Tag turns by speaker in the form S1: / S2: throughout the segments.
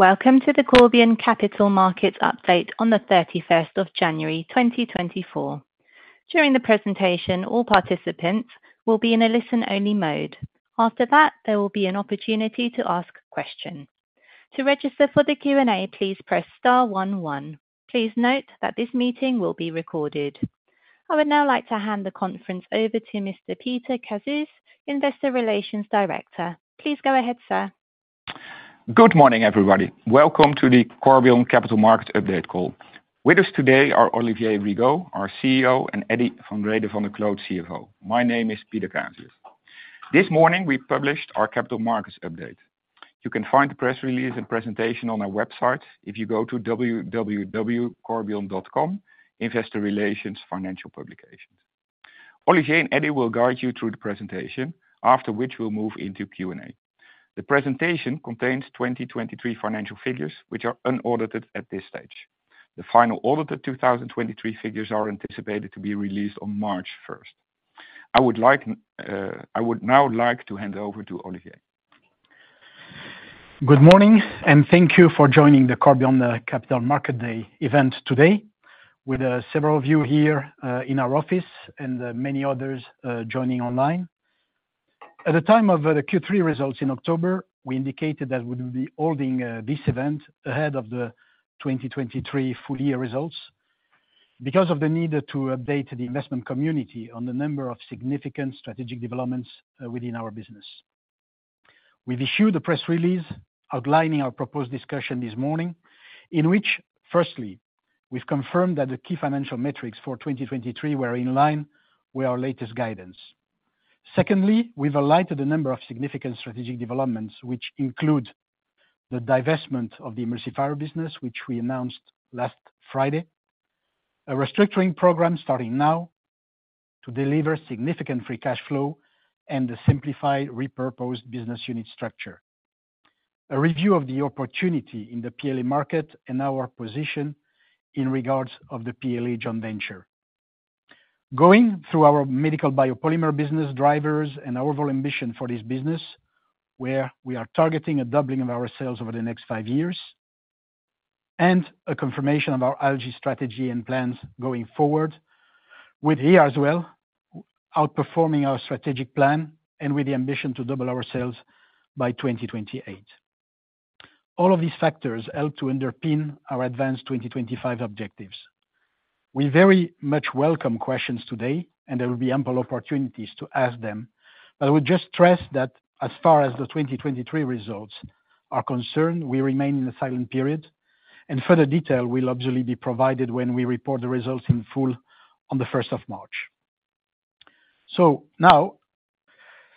S1: Welcome to the Corbion Capital Market Update on the 31st of January, 2024. During the presentation, all participants will be in a listen-only mode. After that, there will be an opportunity to ask a question. To register for the Q&A, please press star one one. Please note that this meeting will be recorded. I would now like to hand the conference over to Mr. Pieter Kazius, Investor Relations Director. Please go ahead, sir.
S2: Good morning, everybody. Welcome to the Corbion Capital Markets Update call. With us today are Olivier Rigaud, our CEO, and Eddy van Rhede van der Kloot, CFO. My name is Pieter Kazius. This morning, we published our capital markets update. You can find the press release and presentation on our website if you go to www.corbion.com, Investor Relations, Financial Publications. Olivier and Eddy will guide you through the presentation, after which we'll move into Q&A. The presentation contains 2023 financial figures, which are unaudited at this stage. The final audited 2023 figures are anticipated to be released on March first. I would now like to hand over to Olivier.
S3: Good morning, and thank you for joining the Corbion Capital Markets Day event today, with several of you here in our office and many others joining online. At the time of the Q3 results in October, we indicated that we would be holding this event ahead of the 2023 full year results because of the need to update the investment community on a number of significant strategic developments within our business. We've issued a press release outlining our proposed discussion this morning, in which, firstly, we've confirmed that the key financial metrics for 2023 were in line with our latest guidance. Secondly, we've alluded to a number of significant strategic developments, which include the divestment of the emulsifier business, which we announced last Friday. A restructuring program starting now to deliver significant free cash flow and the simplified repurposed business unit structure. A review of the opportunity in the PLA market and our position in regard to the PLA joint venture. Going through our medical biopolymer business drivers and our overall ambition for this business, where we are targeting a doubling of our sales over the next five years, and a confirmation of our algae strategy and plans going forward with here as well, outperforming our strategic plan and with the ambition to double our sales by 2028. All of these factors help to underpin our Advance 2025 objectives. We very much welcome questions today, and there will be ample opportunities to ask them, but I would just stress that as far as the 2023 results are concerned, we remain in a silent period, and further detail will absolutely be provided when we report the results in full on the first of March. So now,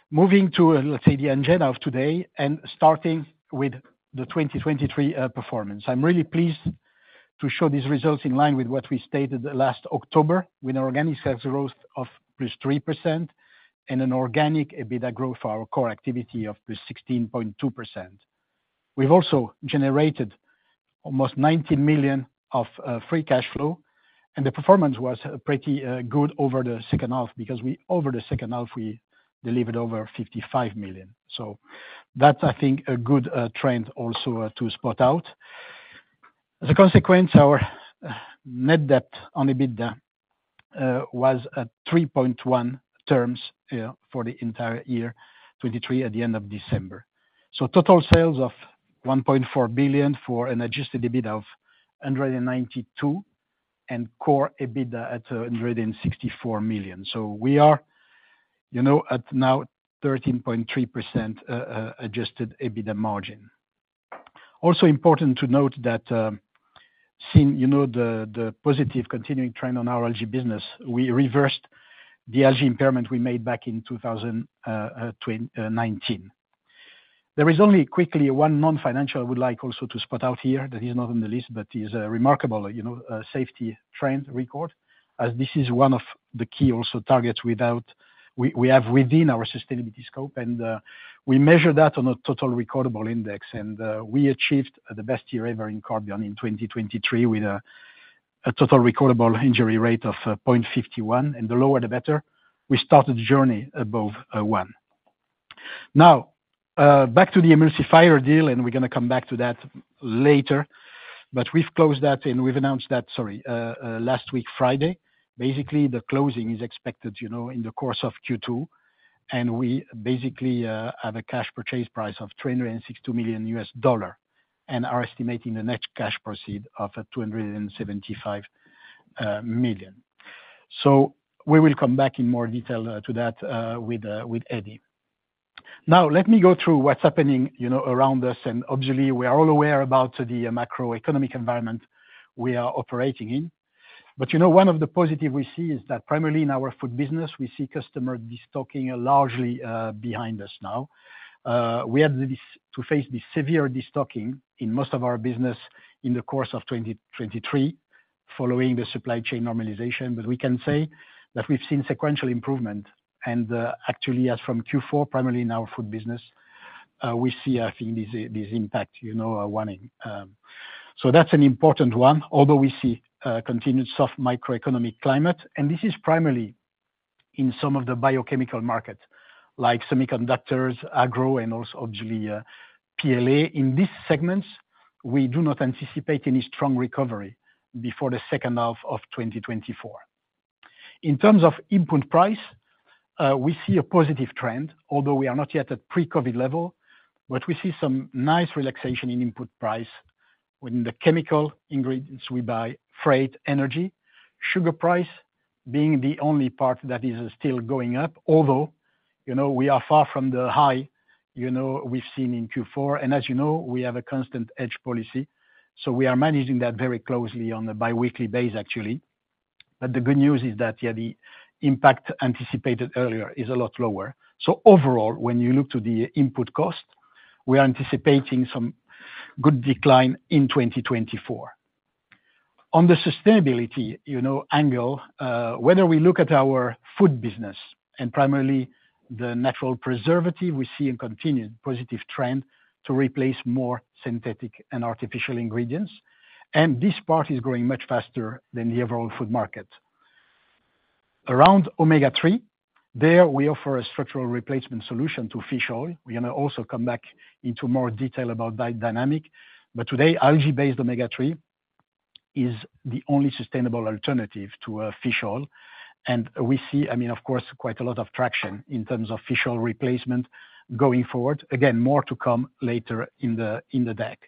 S3: moving to, let's say, the agenda of today and starting with the 2023 performance. I'm really pleased to show these results in line with what we stated last October, with an organic sales growth of +3% and an organic EBITDA growth for our core activity of +16.2%. We've also generated almost 90 million of free cash flow, and the performance was pretty good over the second half because over the second half, we delivered over 55 million. So that's, I think, a good trend also to spot out. As a consequence, our net debt to EBITDA was at 3.1x for the entire year 2023 at the end of December. So total sales of 1.4 billion for an adjusted EBITDA of 192 million, and core EBITDA at 164 million. So we are, you know, at now 13.3% adjusted EBITDA margin. Also important to note that, seeing, you know, the positive continuing trend on our algae business, we reversed the algae impairment we made back in 2019. There is only quickly one non-financial I would like also to spot out here. That is not on the list, but is a remarkable, you know, safety trend record, as this is one of the key also targets. We have within our sustainability scope, and we measure that on a total recordable index, and we achieved the best year ever in Corbion in 2023, with a total recordable injury rate of 0.51, and the lower, the better. We started the journey above one. Now, back to the emulsifier deal, and we're gonna come back to that later. But we've closed that and we've announced that, sorry, last week, Friday. Basically, the closing is expected, you know, in the course of Q2, and we basically have a cash purchase price of $262 million and are estimating the net cash proceed of $275 million. So we will come back in more detail to that with Eddy. Now, let me go through what's happening, you know, around us, and obviously, we are all aware about the macroeconomic environment we are operating in. But you know, one of the positive we see is that primarily in our food business, we see customer de-stocking largely behind us now. We had this, to face this severe de-stocking in most of our business in the course of 2023, following the supply chain normalization. But we can say that we've seen sequential improvement and, actually, as from Q4, primarily in our food business, we see, I think, this, this impact, you know, waning. So that's an important one, although we see a continued soft macroeconomic climate, and this is primarily in some of the biochemical markets, like semiconductors, agro, and also obviously, PLA. In these segments, we do not anticipate any strong recovery before the second half of 2024. In terms of input price, we see a positive trend, although we are not yet at pre-COVID level, but we see some nice relaxation in input price within the chemical ingredients we buy, freight, energy. Sugar price being the only part that is still going up, although, you know, we are far from the high, you know, we've seen in Q4, and as you know, we have a constant hedge policy, so we are managing that very closely on a biweekly basis, actually. But the good news is that, yeah, the impact anticipated earlier is a lot lower. So overall, when you look to the input cost, we are anticipating some good decline in 2024. On the sustainability, you know, angle, whether we look at our food business and primarily the natural preservative, we see a continued positive trend to replace more synthetic and artificial ingredients, and this part is growing much faster than the overall food market. Around omega-3, there we offer a structural replacement solution to fish oil. We're gonna also come back into more detail about that dynamic, but today, algae-based omega-3 is the only sustainable alternative to fish oil. And we see, I mean, of course, quite a lot of traction in terms of fish oil replacement going forward. Again, more to come later in the deck.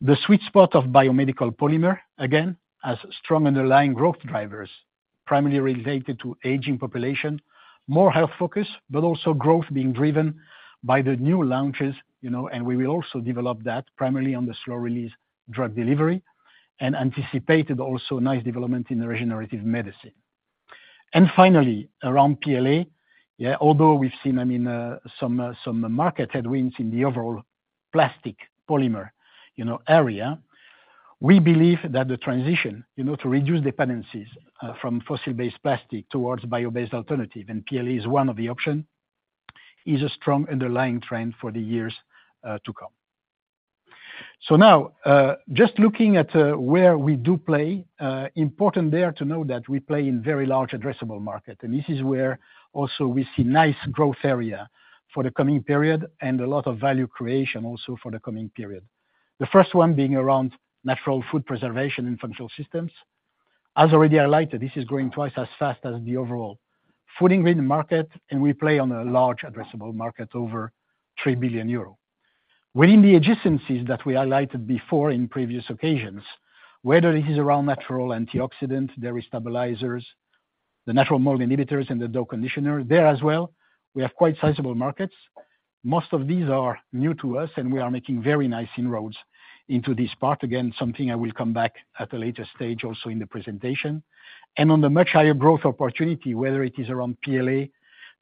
S3: The sweet spot of biomedical polymer, again, has strong underlying growth drivers, primarily related to aging population, more health focus, but also growth being driven by the new launches, you know, and we will also develop that primarily on the slow-release drug delivery and anticipated also nice development in the regenerative medicine. And finally, around PLA, yeah, although we've seen, I mean, some market headwinds in the overall plastic polymer, you know, area, we believe that the transition, you know, to reduce dependencies from fossil-based plastic towards bio-based alternative, and PLA is one of the option, is a strong underlying trend for the years to come. So now, just looking at where we do play, important there to know that we play in very large addressable market. And this is where also we see nice growth area for the coming period and a lot of value creation also for the coming period. The first one being around natural food preservation and functional systems. As already highlighted, this is growing twice as fast as the overall food ingredient market, and we play on a large addressable market, over 3 billion euro. Within the adjacencies that we highlighted before in previous occasions, whether it is around natural antioxidant, dairy stabilizers, the natural mold inhibitors, and the dough conditioner, there as well, we have quite sizable markets. Most of these are new to us, and we are making very nice inroads into this part. Again, something I will come back at a later stage also in the presentation. And on the much higher growth opportunity, whether it is around PLA,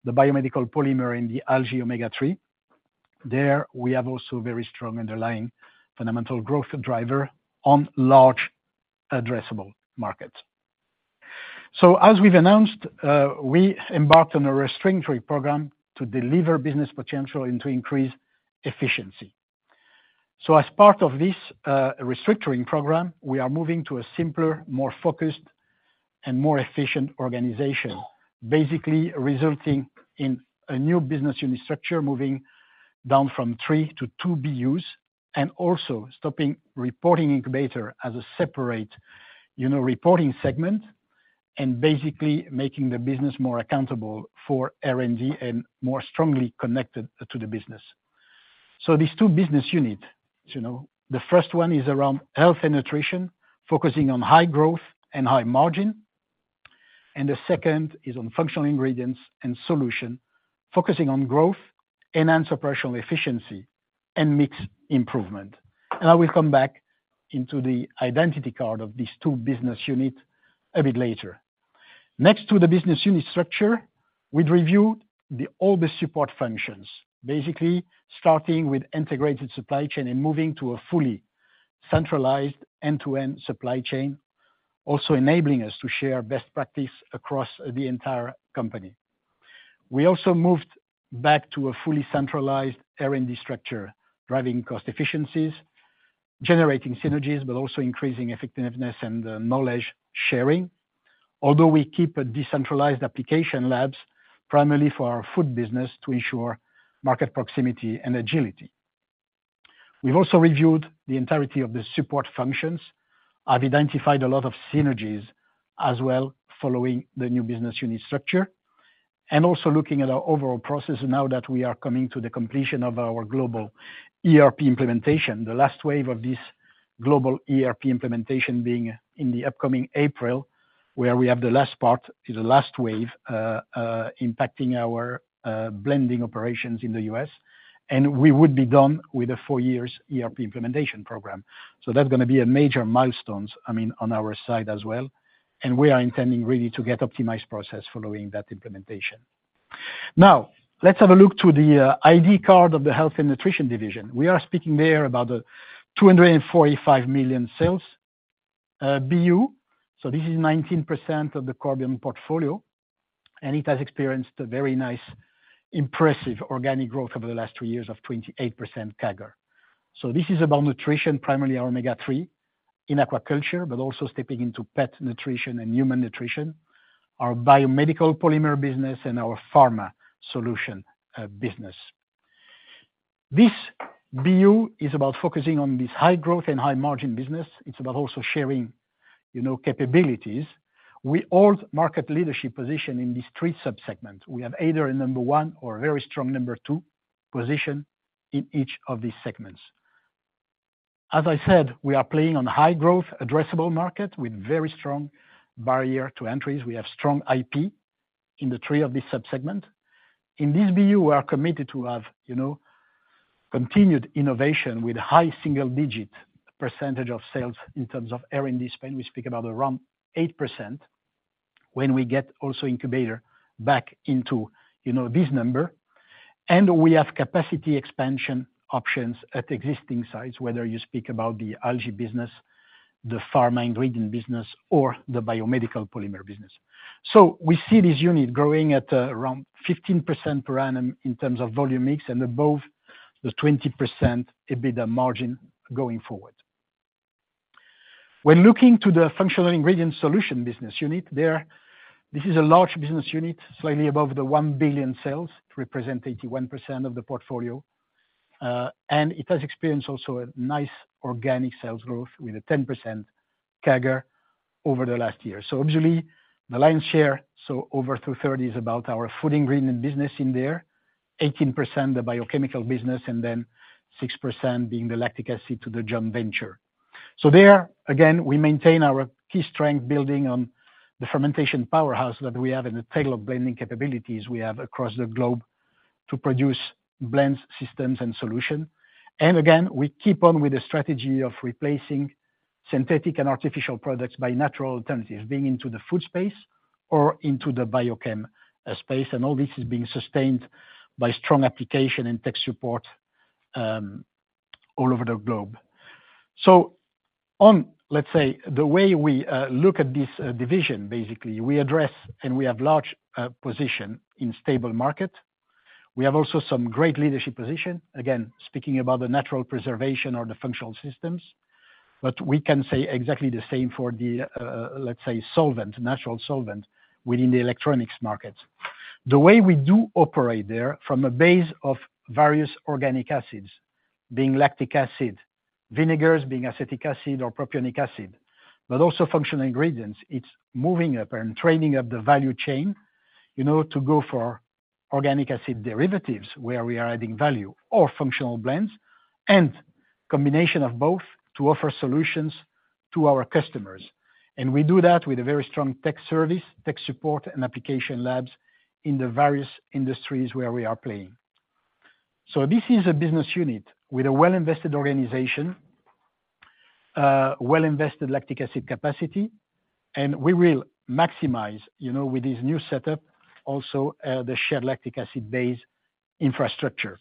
S3: the biomedical polymer, and the algae omega-3, there we have also very strong underlying fundamental growth driver on large addressable markets. So as we've announced, we embarked on a restructuring program to deliver business potential and to increase efficiency. So as part of this restructuring program, we are moving to a simpler, more focused, and more efficient organization, basically resulting in a new business unit structure, moving down from three to two BUs, and also stopping reporting incubator as a separate, you know, reporting segment, and basically making the business more accountable for R&D and more strongly connected to the business. So these two business units, you know, the first one is around health and nutrition, focusing on high growth and high margin, and the second is on functional ingredients and solution, focusing on growth, enhanced operational efficiency, and mix improvement. And I will come back into the identity card of these two business unit a bit later. Next to the business unit structure, we'd review all the support functions, basically starting with integrated supply chain and moving to a fully centralized end-to-end supply chain, also enabling us to share best practice across the entire company. We also moved back to a fully centralized R&D structure, driving cost efficiencies, generating synergies, but also increasing effectiveness and knowledge sharing. Although we keep a decentralized application labs, primarily for our food business, to ensure market proximity and agility. We've also reviewed the entirety of the support functions, have identified a lot of synergies as well, following the new business unit structure, and also looking at our overall process now that we are coming to the completion of our global ERP implementation. The last wave of this global ERP implementation being in the upcoming April, where we have the last part, the last wave, impacting our blending operations in the U.S., and we would be done with a four years ERP implementation program. So that's gonna be a major milestones, I mean, on our side as well, and we are intending really to get optimized process following that implementation. Now, let's have a look to the ID card of the health and nutrition division. We are speaking there about the 245 million sales BU. So this is 19% of the Corbion portfolio, and it has experienced a very nice, impressive organic growth over the last two years of 28% CAGR. So this is about nutrition, primarily our omega-3.... in aquaculture, but also stepping into pet nutrition and human nutrition, our biomedical polymer business, and our pharma solution, business. This BU is about focusing on this high growth and high margin business. It's about also sharing, you know, capabilities. We hold market leadership position in these three subsegments. We have either a number one or a very strong number two position in each of these segments. As I said, we are playing on high growth, addressable market with very strong barrier to entries. We have strong IP in the three of these subsegment. In this BU, we are committed to have, you know, continued innovation with high single-digit percentage of sales in terms of R&D spend. We speak about around 8% when we get also incubator back into, you know, this number. We have capacity expansion options at existing sites, whether you speak about the algae business, the pharma ingredient business, or the biomedical polymer business. So we see this unit growing at around 15% per annum in terms of volume mix and above the 20% EBITDA margin going forward. When looking to the functional ingredient solution business unit there, this is a large business unit, slightly above 1 billion sales, representing 81% of the portfolio, and it has experienced also a nice organic sales growth with a 10% CAGR over the last year. So obviously, the lion's share, so over two-thirds, is about our food ingredient business in there, 18%, the biochemical business, and then 6% being the lactic acid to the joint venture. So there, again, we maintain our key strength building on the fermentation powerhouse that we have and the tail of blending capabilities we have across the globe to produce blends, systems, and solution. And again, we keep on with the strategy of replacing synthetic and artificial products by natural alternatives, being into the food space or into the biochem space. And all this is being sustained by strong application and tech support all over the globe. So let's say, the way we look at this division, basically, we address, and we have large position in stable market. We have also some great leadership position, again, speaking about the natural preservation or the functional systems. But we can say exactly the same for the let's say, solvent, natural solvent, within the electronics market. The way we do operate there, from a base of various organic acids, being lactic acid, vinegars, being acetic acid or propionic acid, but also functional ingredients, it's moving up and training up the value chain, you know, to go for organic acid derivatives, where we are adding value or functional blends and combination of both to offer solutions to our customers. And we do that with a very strong tech service, tech support, and application labs in the various industries where we are playing. So this is a business unit with a well-invested organization, well-invested lactic acid capacity, and we will maximize, you know, with this new setup, also, the shared lactic acid base infrastructure.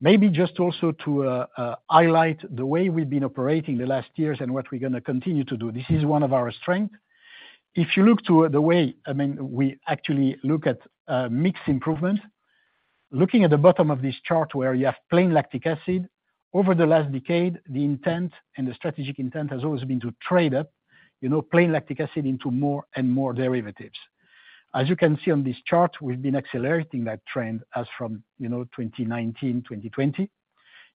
S3: Maybe just also to highlight the way we've been operating the last years and what we're gonna continue to do, this is one of our strength. If you look to the way, I mean, we actually look at mix improvement, looking at the bottom of this chart where you have plain lactic acid, over the last decade, the intent and the strategic intent has always been to trade up, you know, plain lactic acid into more and more derivatives. As you can see on this chart, we've been accelerating that trend as from, you know, 2019, 2020,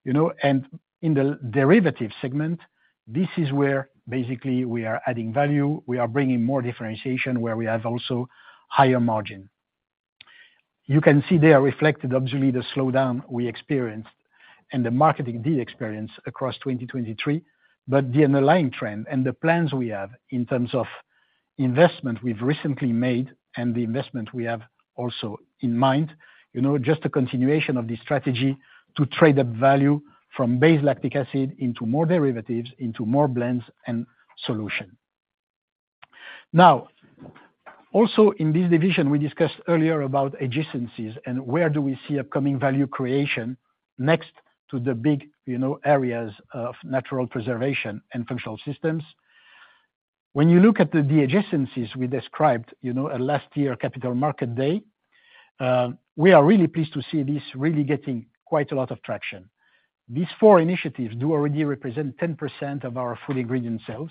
S3: you know, and in the derivative segment, this is where basically we are adding value. We are bringing more differentiation, where we have also higher margin. You can see there reflected, obviously, the slowdown we experienced and the market indeed experienced across 2023, but the underlying trend and the plans we have in terms of investment we've recently made and the investment we have also in mind, you know, just a continuation of the strategy to trade up value from base lactic acid into more derivatives, into more blends and solution. Now, also in this division, we discussed earlier about adjacencies and where do we see upcoming value creation next to the big, you know, areas of natural preservation and functional systems. When you look at the adjacencies we described, you know, at last year, Capital Markets Day, we are really pleased to see this really getting quite a lot of traction. These four initiatives do already represent 10% of our food ingredient sales,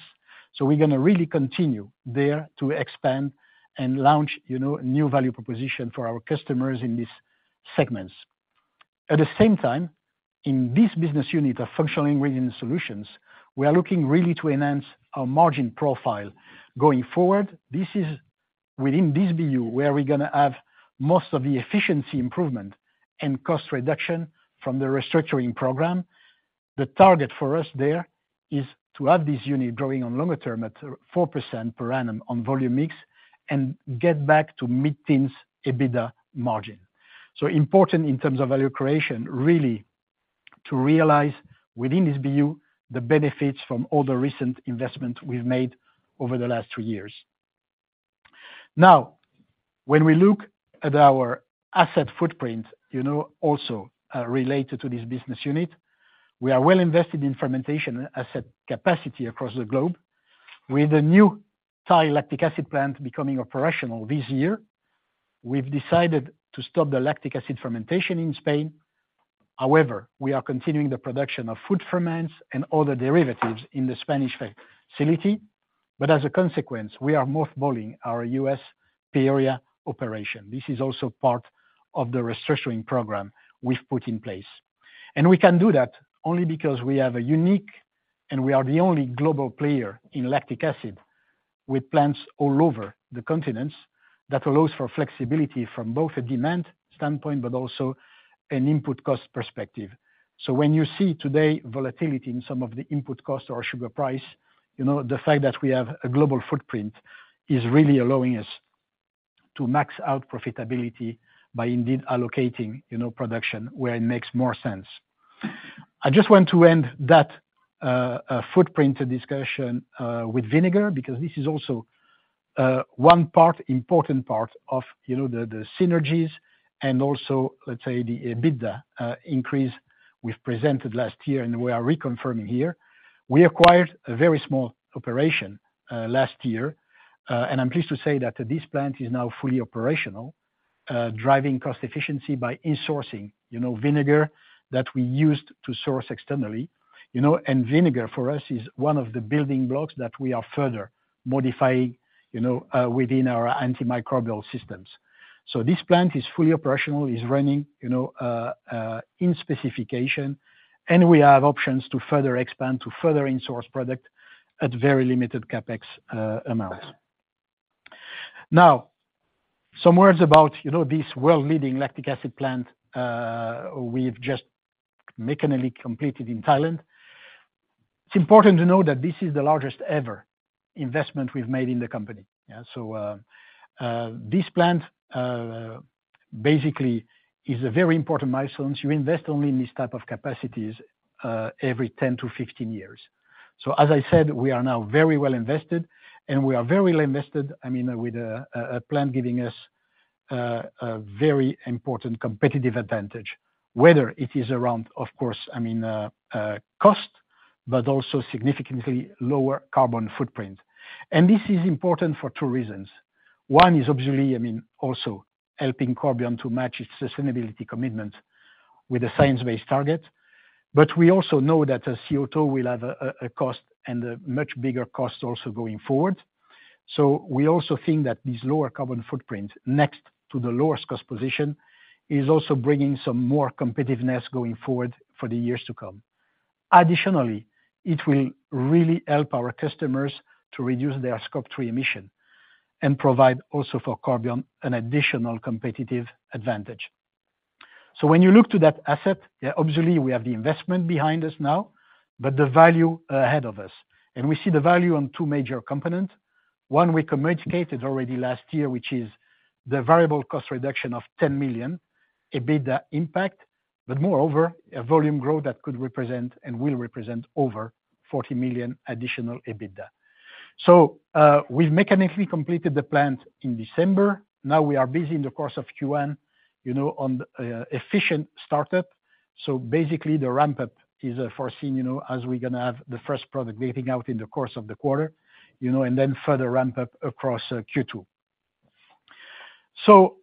S3: so we're gonna really continue there to expand and launch, you know, new value proposition for our customers in these segments. At the same time, in this business unit, our functional ingredient solutions, we are looking really to enhance our margin profile going forward. This is within this BU, where we're gonna have most of the efficiency improvement and cost reduction from the restructuring program. The target for us there is to have this unit growing on longer term at 4% per annum on volume mix and get back to mid-teens EBITDA margin. So important in terms of value creation, really, to realize within this BU, the benefits from all the recent investment we've made over the last two years. Now, when we look at our asset footprint, you know, also, related to this business unit, we are well invested in fermentation asset capacity across the globe. With the new Thai lactic acid plant becoming operational this year, we've decided to stop the lactic acid fermentation in Spain. However, we are continuing the production of food ferments and other derivatives in the Spanish facility. But as a consequence, we are mothballing our U.S. Peoria operation. This is also part of the restructuring program we've put in place. And we can do that only because we have a unique, and we are the only global player in lactic acid, with plants all over the continents, that allows for flexibility from both a demand standpoint, but also an input cost perspective. So when you see today volatility in some of the input costs or sugar price, you know, the fact that we have a global footprint is really allowing us to max out profitability by indeed allocating, you know, production where it makes more sense. I just want to end that footprint discussion with vinegar, because this is also one part, important part of, you know, the, the synergies and also, let's say, the EBITDA increase we've presented last year, and we are reconfirming here. We acquired a very small operation last year, and I'm pleased to say that this plant is now fully operational, driving cost efficiency by insourcing, you know, vinegar that we used to source externally. You know, and vinegar, for us, is one of the building blocks that we are further modifying, you know, within our antimicrobial systems. So this plant is fully operational, is running, you know, in specification, and we have options to further expand, to further insource product at very limited CapEx amounts. Now, some words about, you know, this world-leading lactic acid plant we've just mechanically completed in Thailand. It's important to know that this is the largest ever investment we've made in the company. Yeah. So, this plant basically is a very important milestone. You invest only in these type of capacities every 10-15 years. So as I said, we are now very well invested, and we are very well invested, I mean, with a plant giving us a very important competitive advantage. Whether it is around, of course, I mean, cost, but also significantly lower carbon footprint. And this is important for two reasons. One is obviously, I mean, also helping Corbion to match its sustainability commitment with a science-based target. But we also know that CO₂ will have a cost and a much bigger cost also going forward. So we also think that this lower carbon footprint, next to the lowest cost position, is also bringing some more competitiveness going forward for the years to come. Additionally, it will really help our customers to reduce their Scope 3 emission and provide also for Corbion an additional competitive advantage. So when you look to that asset, yeah, obviously, we have the investment behind us now, but the value ahead of us, and we see the value on two major components. One, we communicated already last year, which is the variable cost reduction of 10 million EBITDA impact, but moreover, a volume growth that could represent and will represent over 40 million additional EBITDA. So, we've mechanically completed the plant in December. Now we are busy in the course of Q1, you know, on the, efficient startup. So basically, the ramp-up is foreseen, you know, as we're gonna have the first product getting out in the course of the quarter, you know, and then further ramp up across, Q2. So,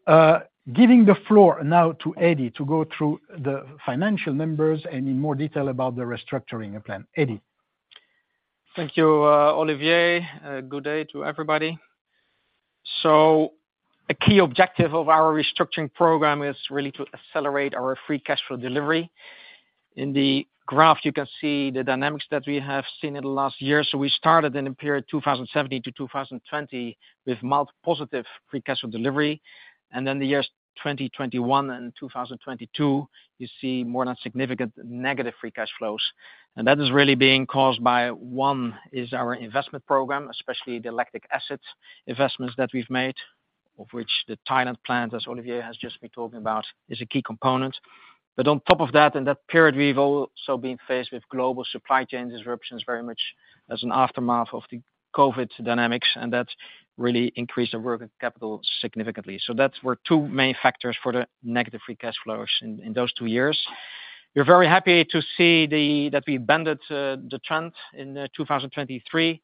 S3: giving the floor now to Eddie to go through the financial numbers and in more detail about the restructuring plan. Eddy?
S4: Thank you, Olivier. Good day to everybody. A key objective of our restructuring program is really to accelerate our free cash flow delivery. In the graph, you can see the dynamics that we have seen in the last year. We started in the period 2017 to 2020, with multi positive free cash flow delivery. Then the years 2021 and 2022, you see more than significant negative free cash flows. And that is really being caused by one, is our investment program, especially the lactic acid investments that we've made, of which the Thailand plant, as Olivier has just been talking about, is a key component. But on top of that, in that period, we've also been faced with global supply chain disruptions, very much as an aftermath of the COVID dynamics, and that's really increased the working capital significantly. So that's where two main factors for the negative free cash flows in those two years. We're very happy to see that we bent the trend in 2023.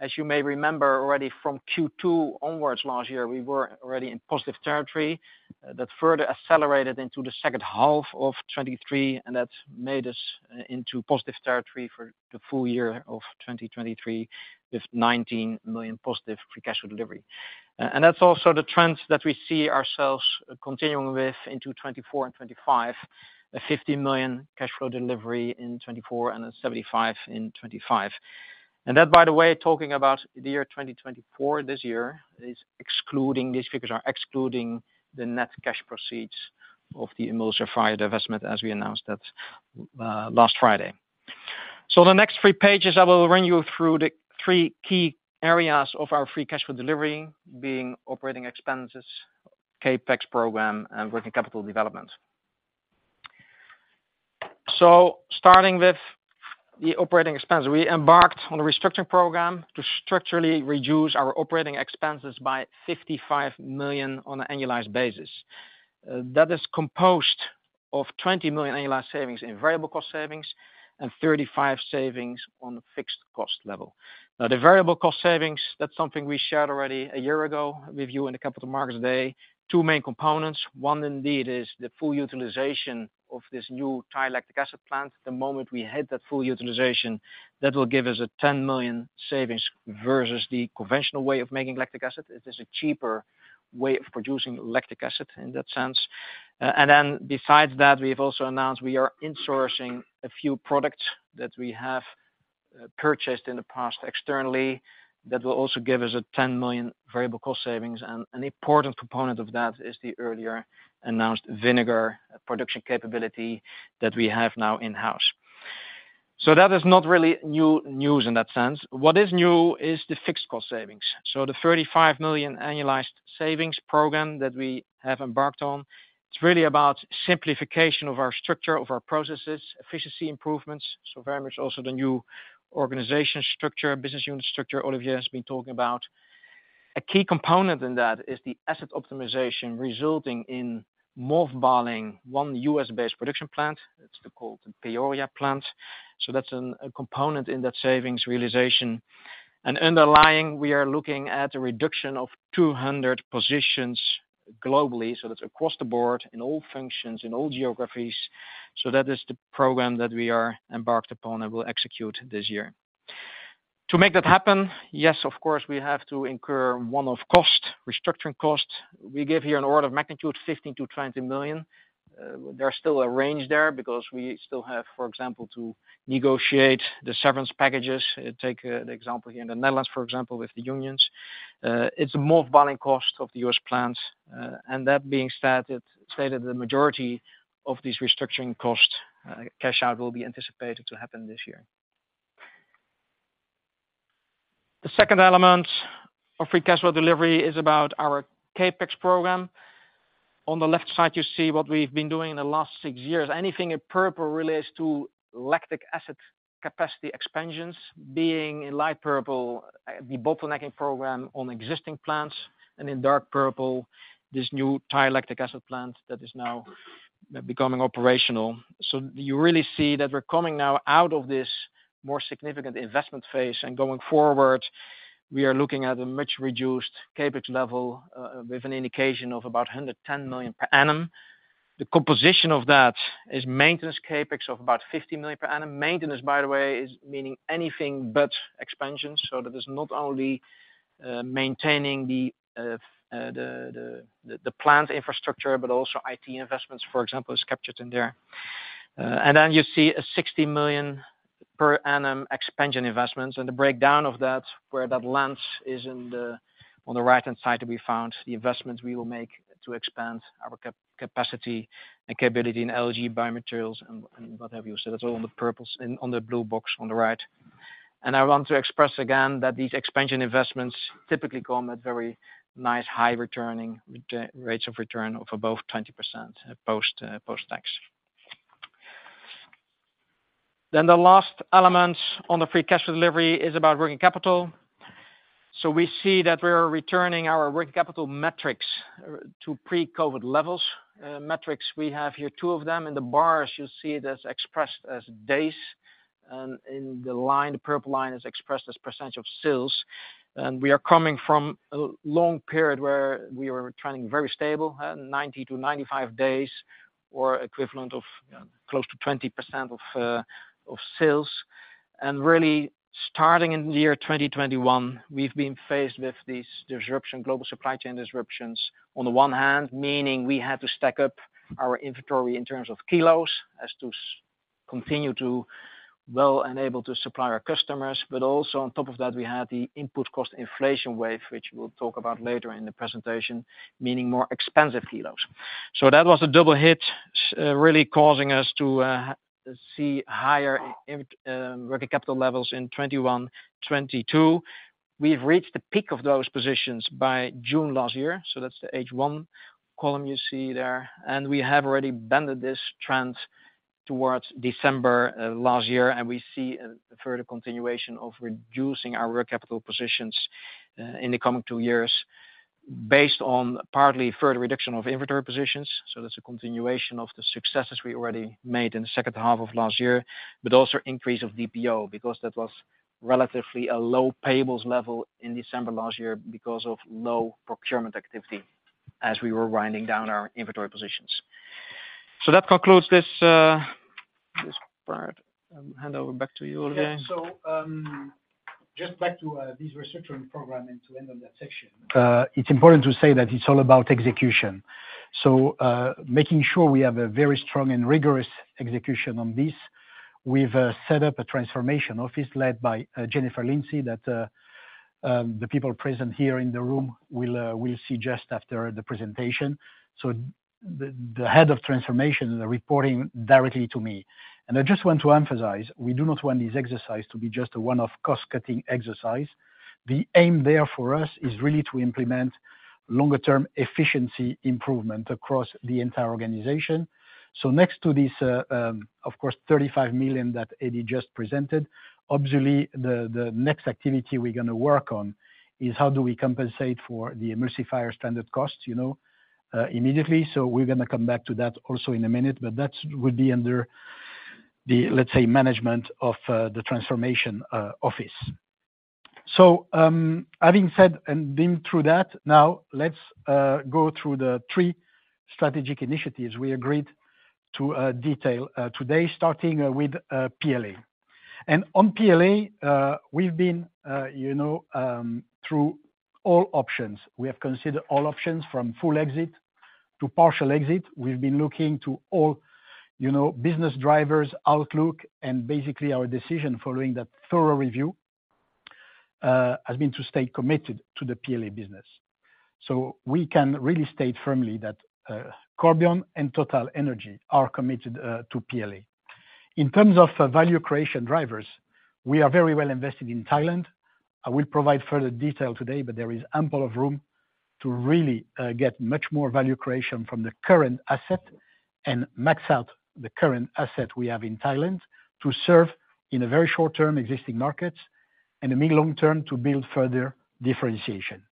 S4: As you may remember already from Q2 onwards last year, we were already in positive territory. That further accelerated into the second half of 2023, and that's made us into positive territory for the full year of 2023, with 19 million positive free cash flow delivery. And that's also the trends that we see ourselves continuing with into 2024 and 2025, a 50 million cash flow delivery in 2024 and a 75 in 2025. That, by the way, talking about the year 2024, this year, is excluding—these figures are excluding the net cash proceeds of the Emulsifier divestment, as we announced that last Friday. The next three pages, I will run you through the three key areas of our free cash flow delivery, being operating expenses, CapEx program, and working capital development. Starting with the operating expense, we embarked on a restructuring program to structurally reduce our operating expenses by 55 million on an annualized basis. That is composed of 20 million annualized savings in variable cost savings and 35 savings on the fixed cost level. Now, the variable cost savings, that's something we shared already a year ago with you in the Capital Markets Day. Two main components. One indeed is the full utilization of this new Thai lactic acid plant. The moment we hit that full utilization, that will give us 10 million savings versus the conventional way of making lactic acid. It is a cheaper way of producing lactic acid in that sense. And then besides that, we've also announced we are insourcing a few products that we have, purchased in the past externally. That will also give us 10 million variable cost savings, and an important component of that is the earlier announced vinegar production capability that we have now in-house. So that is not really new news in that sense. What is new is the fixed cost savings. So the 35 million annualized savings program that we have embarked on, it's really about simplification of our structure, of our processes, efficiency improvements. So very much also the new organization structure, business unit structure, Olivier has been talking about. A key component in that is the asset optimization, resulting in mothballing one U.S.-based production plant. That's the called Peoria plant. So that's an, a component in that savings realization. And underlying, we are looking at a reduction of 200 positions globally, so that's across the board in all functions, in all geographies. So that is the program that we are embarked upon and will execute this year. To make that happen, yes, of course, we have to incur one-off cost, restructuring costs. We give here an order of magnitude, 15-20 million. There are still a range there because we still have, for example, to negotiate the severance packages. Take, the example here in the Netherlands, for example, with the unions. It's a mothballing cost of the U.S. plant, and that being stated, the majority of these restructuring costs, cash out will be anticipated to happen this year. The second element of free cash flow delivery is about our CapEx program. On the left side, you see what we've been doing in the last six years. Anything in purple relates to lactic acid capacity expansions, being in light purple, the bottlenecking program on existing plants, and in dark purple, this new Thai lactic acid plant that is now becoming operational. So you really see that we're coming now out of this more significant investment phase and going forward, we are looking at a much reduced CapEx level, with an indication of about 110 million per annum. The composition of that is maintenance CapEx of about 50 million per annum. Maintenance, by the way, is meaning anything but expansion. So that is not only maintaining the plant infrastructure, but also IT investments, for example, is captured in there. And then you see a 60 million per annum expansion investments, and the breakdown of that, where that lands is in the-- on the right-hand side to be found, the investments we will make to expand our capacity and capability in Algae biomaterials and what have you. So that's all on the purples and on the blue box on the right. And I want to express again that these expansion investments typically come at very nice, high returning rates of return of above 20%, post-tax. Then the last element on the free cash flow delivery is about working capital. So we see that we are returning our working capital metrics to pre-COVID levels. Metrics, we have here two of them. In the bars, you see it as expressed as days, and in the line, the purple line, is expressed as percentage of sales. And we are coming from a long period where we were trending very stable, 90-95 days, or equivalent of close to 20% of sales. And really, starting in the year 2021, we've been faced with these disruptions, global supply chain disruptions, on the one hand, meaning we had to stack up our inventory in terms of kilos as to continue to well enable to supply our customers, but also on top of that, we had the input cost inflation wave, which we'll talk about later in the presentation, meaning more expensive kilos. So that was a double hit, really causing us to see higher working capital levels in 2021, 2022. We've reached the peak of those positions by June last year, so that's the H1 column you see there. And we have already bended this trend towards December last year, and we see a further continuation of reducing our working capital positions in the coming two years, based on partly further reduction of inventory positions. So that's a continuation of the successes we already made in the second half of last year, but also increase of DPO, because that was relatively a low payables level in December last year because of low procurement activity as we were winding down our inventory positions. So that concludes this part. Hand over back to you, Olivier.
S3: Yeah. So, just back to this restructuring program and to end on that section. It's important to say that it's all about execution. So, making sure we have a very strong and rigorous execution on this, we've set up a transformation office led by Jennifer Lindsey, that the people present here in the room will see just after the presentation. So the head of transformation is reporting directly to me. And I just want to emphasize, we do not want this exercise to be just a one-off cost-cutting exercise. The aim there for us is really to implement longer-term efficiency improvement across the entire organization. So next to this, of course, 35 million that Eddy just presented, obviously, the next activity we're gonna work on is how do we compensate for the emulsifier standard costs, you know, immediately. So we're gonna come back to that also in a minute, but that would be under the, let's say, management of the transformation office. So, having said and been through that, now let's go through the three strategic initiatives we agreed to detail today, starting with PLA. And on PLA, we've been, you know, through all options. We have considered all options, from full exit to partial exit. We've been looking to all, you know, business drivers, outlook, and basically our decision following that thorough review has been to stay committed to the PLA business. So we can really state firmly that Corbion and TotalEnergies are committed to PLA. In terms of value creation drivers, we are very well invested in Thailand. I will provide further detail today, but there is ample room to really get much more value creation from the current asset and max out the current asset we have in Thailand to serve in a very short term existing markets, and the mid- to long-term, to build further differentiation.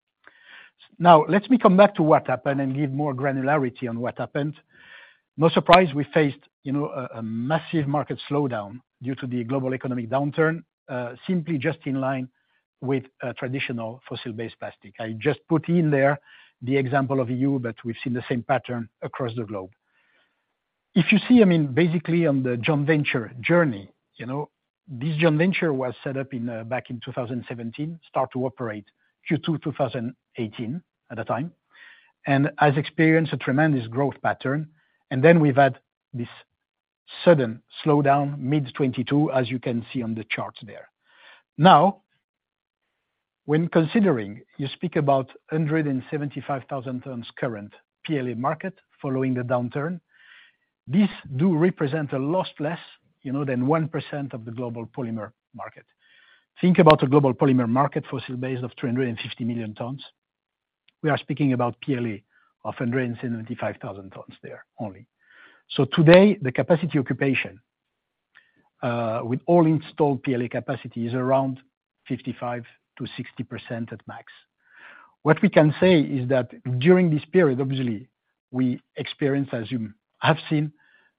S3: Now, let me come back to what happened and give more granularity on what happened. No surprise, we faced, you know, a massive market slowdown due to the global economic downturn simply just in line with traditional fossil-based plastic. I just put in there the example of PE, but we've seen the same pattern across the globe. If you see, I mean, basically on the joint venture journey, you know, this joint venture was set up in, back in 2017, start to operate Q2 2018, at the time, and has experienced a tremendous growth pattern. Then we've had this sudden slowdown, mid-2022, as you can see on the charts there. Now, when considering, you speak about 175,000 tons current PLA market following the downturn, this do represent a lot less, you know, than 1% of the global polymer market. Think about the global polymer market, fossil base of 350 million tons. We are speaking about PLA of 175,000 tons there only. So today, the capacity occupation, with all installed PLA capacity, is around 55%-60% at max. What we can say is that during this period, obviously, we experienced, as you have seen,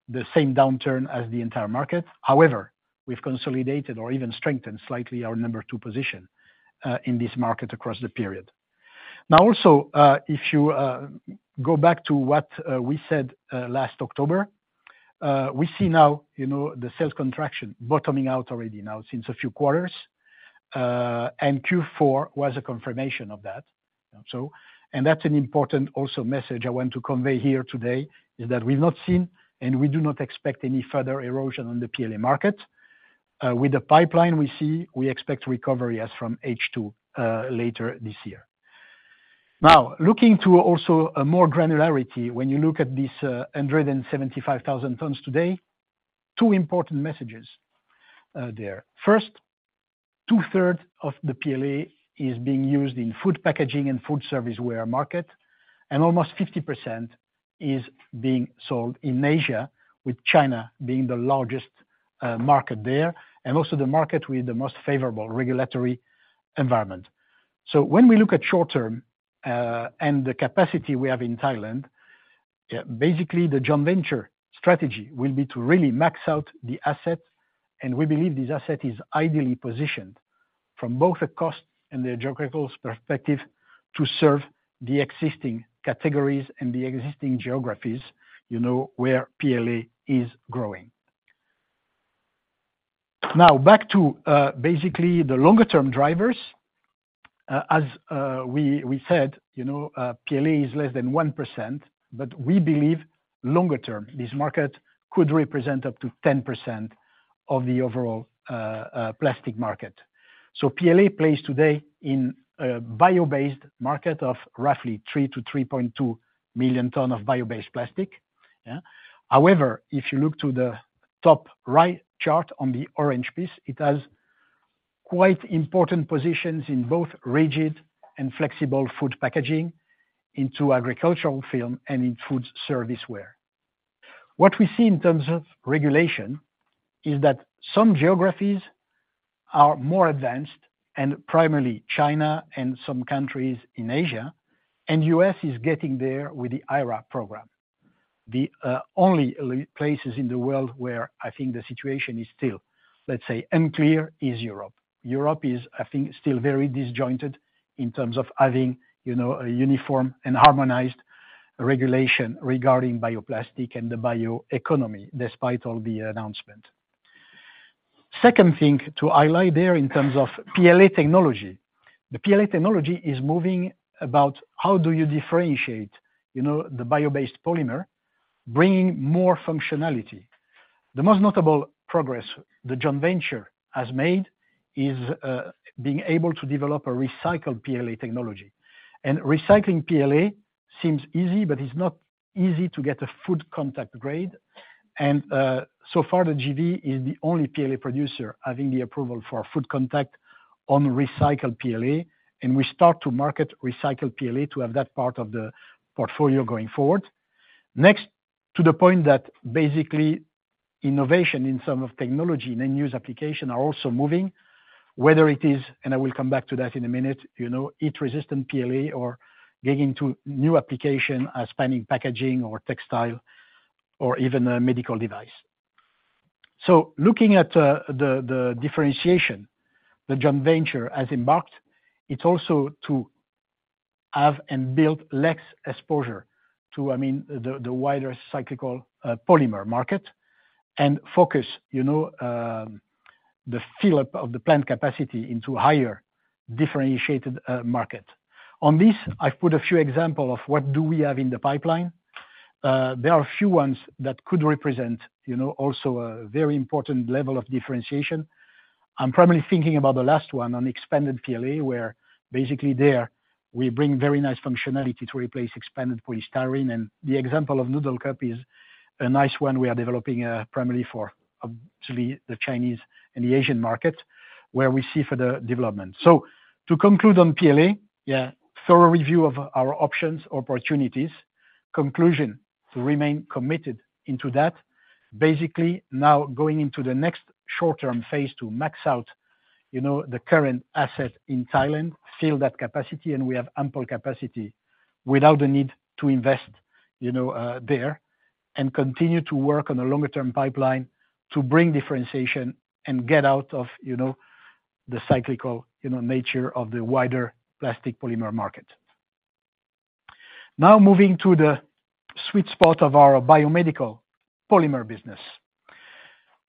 S3: the same downturn as the entire market. However, we've consolidated or even strengthened slightly our number two position in this market across the period. Now, also, if you go back to what we said last October, we see now, you know, the sales contraction bottoming out already now since a few quarters, and Q4 was a confirmation of that. So, and that's an important also message I want to convey here today, is that we've not seen, and we do not expect any further erosion on the PLA market. With the pipeline we see, we expect recovery as from H2 later this year. Now, looking to also more granularity, when you look at this 175,000 tons today, two important messages there. First, two-thirds of the PLA is being used in food packaging and food service ware market, and almost 50% is being sold in Asia, with China being the largest market there, and also the market with the most favorable regulatory environment. So when we look at short term and the capacity we have in Thailand, basically the joint venture strategy will be to really max out the asset, and we believe this asset is ideally positioned from both a cost and the geographical perspective, to serve the existing categories and the existing geographies, you know, where PLA is growing. Now, back to basically the longer-term drivers. As we said, you know, PLA is less than 1%, but we believe longer term, this market could represent up to 10% of the overall plastic market. So PLA plays today in a bio-based market of roughly 3-3.2 million tons of bio-based plastic. However, if you look to the top right chart on the orange piece, it has quite important positions in both rigid and flexible food packaging, into agricultural film, and in food service ware. What we see in terms of regulation is that some geographies are more advanced, and primarily China and some countries in Asia, and U.S. is getting there with the IRA program. The only places in the world where I think the situation is still, let's say, unclear, is Europe. Europe is, I think, still very disjointed in terms of having, you know, a uniform and harmonized regulation regarding bioplastic and the bioeconomy, despite all the announcement. Second thing to highlight there in terms of PLA technology. The PLA technology is moving about how do you differentiate, you know, the bio-based polymer, bringing more functionality. The most notable progress the joint venture has made is being able to develop a recycled PLA technology. And recycling PLA seems easy, but it's not easy to get a food contact grade. And so far, the JV is the only PLA producer having the approval for food contact on recycled PLA, and we start to market recycled PLA to have that part of the portfolio going forward. Next, to the point that basically innovation in some of technology and end-use application are also moving. Whether it is, and I will come back to that in a minute, you know, heat-resistant PLA or getting to new application as spanning packaging or textile, or even a medical device. So looking at, the, the differentiation that joint venture has embarked, it's also to have and build less exposure to, I mean, the, the wider cyclical, polymer market. And focus, you know, the fill up of the plant capacity into higher differentiated, market. On this, I've put a few example of what do we have in the pipeline. There are a few ones that could represent, you know, also a very important level of differentiation. I'm primarily thinking about the last one on expanded PLA, where basically there, we bring very nice functionality to replace expanded polystyrene. And the example of noodle cup is a nice one. We are developing primarily for obviously the Chinese and the Asian market, where we see further development. So to conclude on PLA, yeah, thorough review of our options or opportunities. Conclusion, to remain committed into that. Basically now, going into the next short-term phase to max out, you know, the current asset in Thailand, fill that capacity, and we have ample capacity without the need to invest, you know, there. And continue to work on a longer-term pipeline to bring differentiation and get out of, you know, the cyclical, you know, nature of the wider plastic polymer market. Now, moving to the sweet spot of our biomedical polymer business.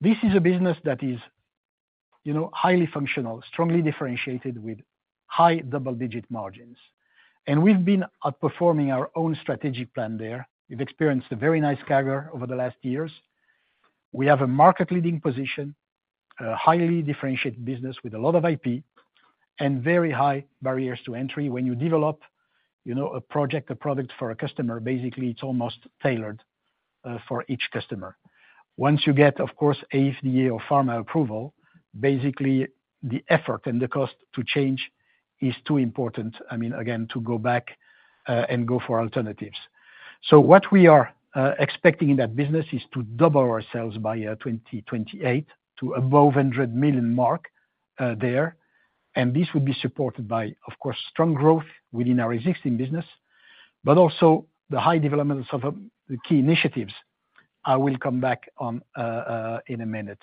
S3: This is a business that is, you know, highly functional, strongly differentiated, with high double-digit margins. And we've been outperforming our own strategic plan there. We've experienced a very nice CAGR over the last years. We have a market leading position, a highly differentiated business with a lot of IP and very high barriers to entry. When you develop, you know, a project, a product for a customer, basically, it's almost tailored for each customer. Once you get, of course, FDA or pharma approval, basically, the effort and the cost to change is too important, I mean, again, to go back and go for alternatives. So what we are expecting in that business is to double our sales by 2028 to above 100 million mark there. And this would be supported by, of course, strong growth within our existing business, but also the high developments of the key initiatives. I will come back on in a minute.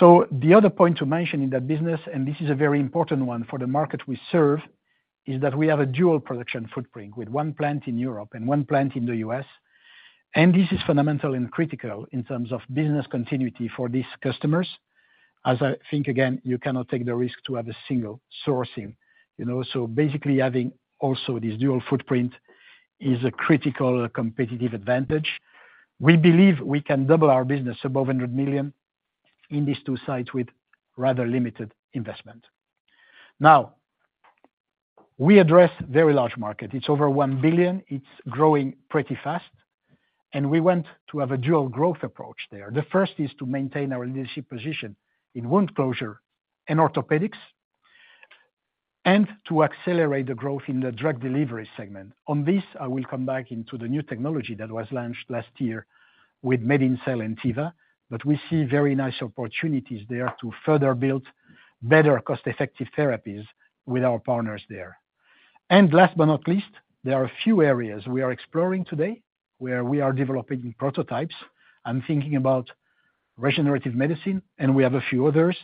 S3: The other point to mention in that business, and this is a very important one for the market we serve, is that we have a dual production footprint, with one plant in Europe and one plant in the U.S. This is fundamental and critical in terms of business continuity for these customers. As I think, again, you cannot take the risk to have a single sourcing, you know. Basically, having also this dual footprint is a critical competitive advantage. We believe we can double our business above 100 million in these two sites with rather limited investment. Now, we address very large market. It's over 1 billion, it's growing pretty fast, and we want to have a dual growth approach there. The first is to maintain our leadership position in wound closure and orthopedics, and to accelerate the growth in the drug delivery segment. On this, I will come back into the new technology that was launched last year with MedinCell and Teva, but we see very nice opportunities there to further build better cost-effective therapies with our partners there. And last but not least, there are a few areas we are exploring today, where we are developing prototypes. I'm thinking about regenerative medicine, and we have a few others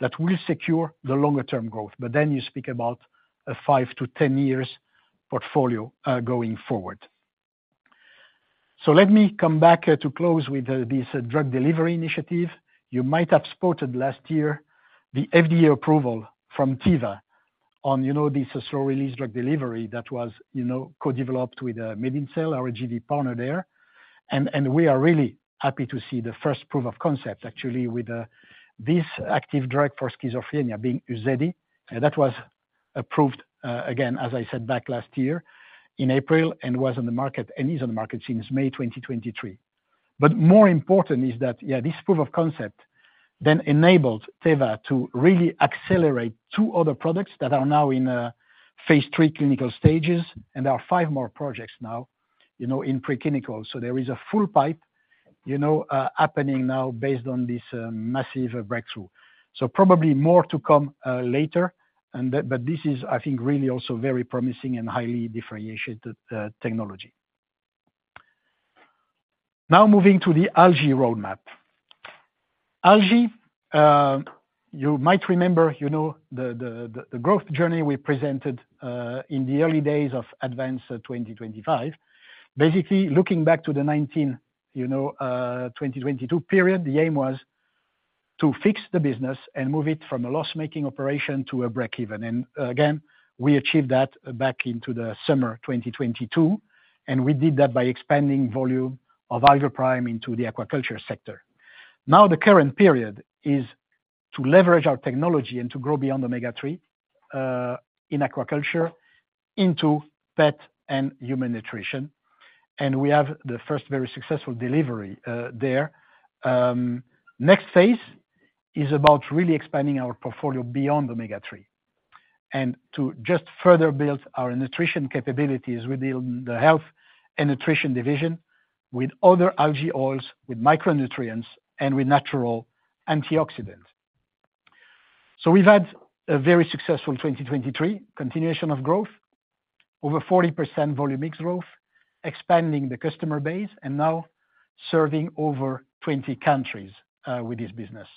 S3: that will secure the longer term growth. But then you speak about a 5- to 10-year portfolio going forward. So let me come back to close with this drug delivery initiative. You might have spotted last year the FDA approval from Teva on, you know, this slow-release drug delivery that was, you know, co-developed with MedinCell, our JV partner there. We are really happy to see the first proof of concept, actually, with this active drug for schizophrenia being UZEDY. That was approved, again, as I said, back last year in April, and was on the market, and is on the market since May 2023. But more important is that, yeah, this proof of concept then enabled Teva to really accelerate 2 other products that are now in phase three clinical stages, and there are 5 more projects now, you know, in preclinical. So there is a full pipe, you know, happening now based on this massive breakthrough. So probably more to come later, and but, but this is, I think, really also very promising and highly differentiated technology. Now, moving to the algae roadmap. AlgaPrime, you might remember, you know, the growth journey we presented in the early days of Advance 2025. Basically, looking back to the 2019 to 2022 period, the aim was to fix the business and move it from a loss-making operation to a breakeven. Again, we achieved that back in the summer 2022, and we did that by expanding volume of AlgaPrime into the aquaculture sector. Now, the current period is to leverage our technology and to grow beyond omega-3 in aquaculture, into pet and human nutrition. And we have the first very successful delivery there. Next phase is about really expanding our portfolio beyond omega-3. And to just further build our nutrition capabilities within the health and nutrition division, with other algae oils, with micronutrients, and with natural antioxidants. So we've had a very successful 2023, continuation of growth, over 40% volume mix growth, expanding the customer base, and now serving over 20 countries with this business.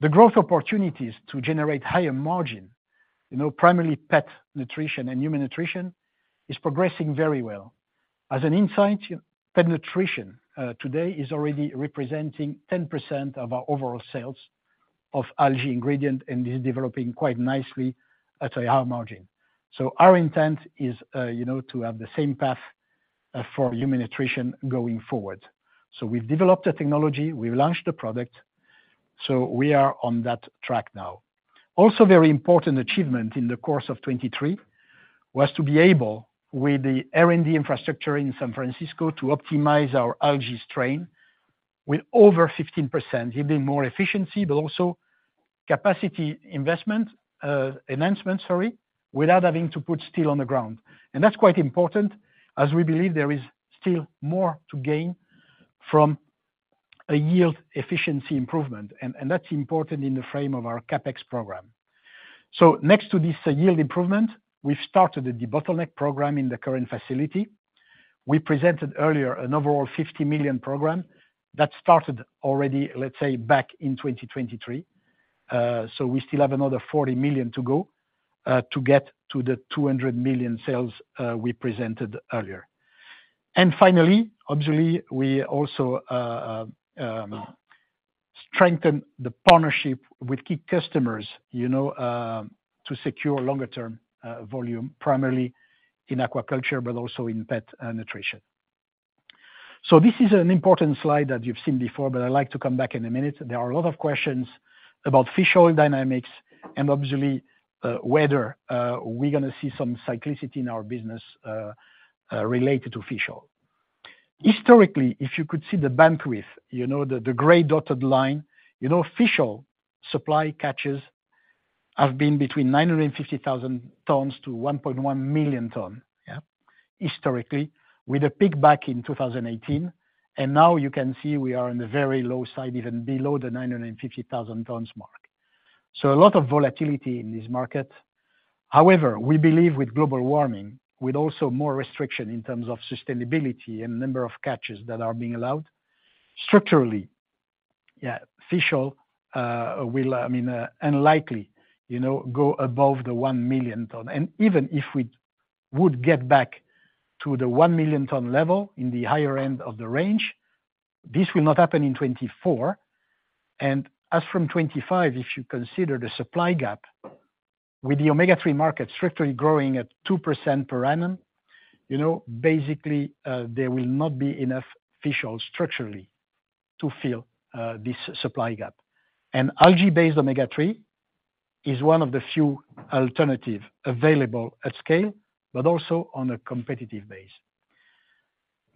S3: The growth opportunities to generate higher margin, you know, primarily pet nutrition and human nutrition, is progressing very well. As an insight, pet nutrition today is already representing 10% of our overall sales of algae ingredient, and is developing quite nicely at a high margin. So our intent is, you know, to have the same path for human nutrition going forward. So we've developed the technology, we've launched the product, so we are on that track now. Also, very important achievement in the course of 2023, was to be able, with the R&D infrastructure in San Francisco, to optimize our algae strain with over 15%, even more efficiency, but also capacity investment enhancement, without having to put steel on the ground. And that's quite important, as we believe there is still more to gain from a yield efficiency improvement, and that's important in the frame of our CapEx program. So next to this yield improvement, we've started a debottleneck program in the current facility. We presented earlier an overall 50 million program that started already, let's say, back in 2023. So we still have another 40 million to go, to get to the 200 million sales, we presented earlier. Finally, obviously, we also strengthen the partnership with key customers, you know, to secure longer-term volume, primarily in aquaculture, but also in pet nutrition. This is an important slide that you've seen before, but I'd like to come back in a minute. There are a lot of questions about fish oil dynamics and obviously whether we're gonna see some cyclicality in our business related to fish oil. Historically, if you could see the bandwidth, you know, the gray dotted line, you know, fish oil supply catches have been between 950,000 tons to 1.1 million tons, yeah? Historically, with a peak back in 2018, and now you can see we are on the very low side, even below the 950,000 tons mark. So a lot of volatility in this market. However, we believe with global warming, with also more restriction in terms of sustainability and number of catches that are being allowed, structurally, yeah, fish oil, will, I mean, unlikely, you know, go above the one million tons. And even if we would get back to the one million-ton level in the higher end of the range, this will not happen in 2024. And as from 2025, if you consider the supply gap with the omega-3 market strictly growing at 2% per annum, you know, basically, there will not be enough fish oil structurally to fill, this supply gap. And algae-based omega-3 is one of the few alternative available at scale, but also on a competitive base.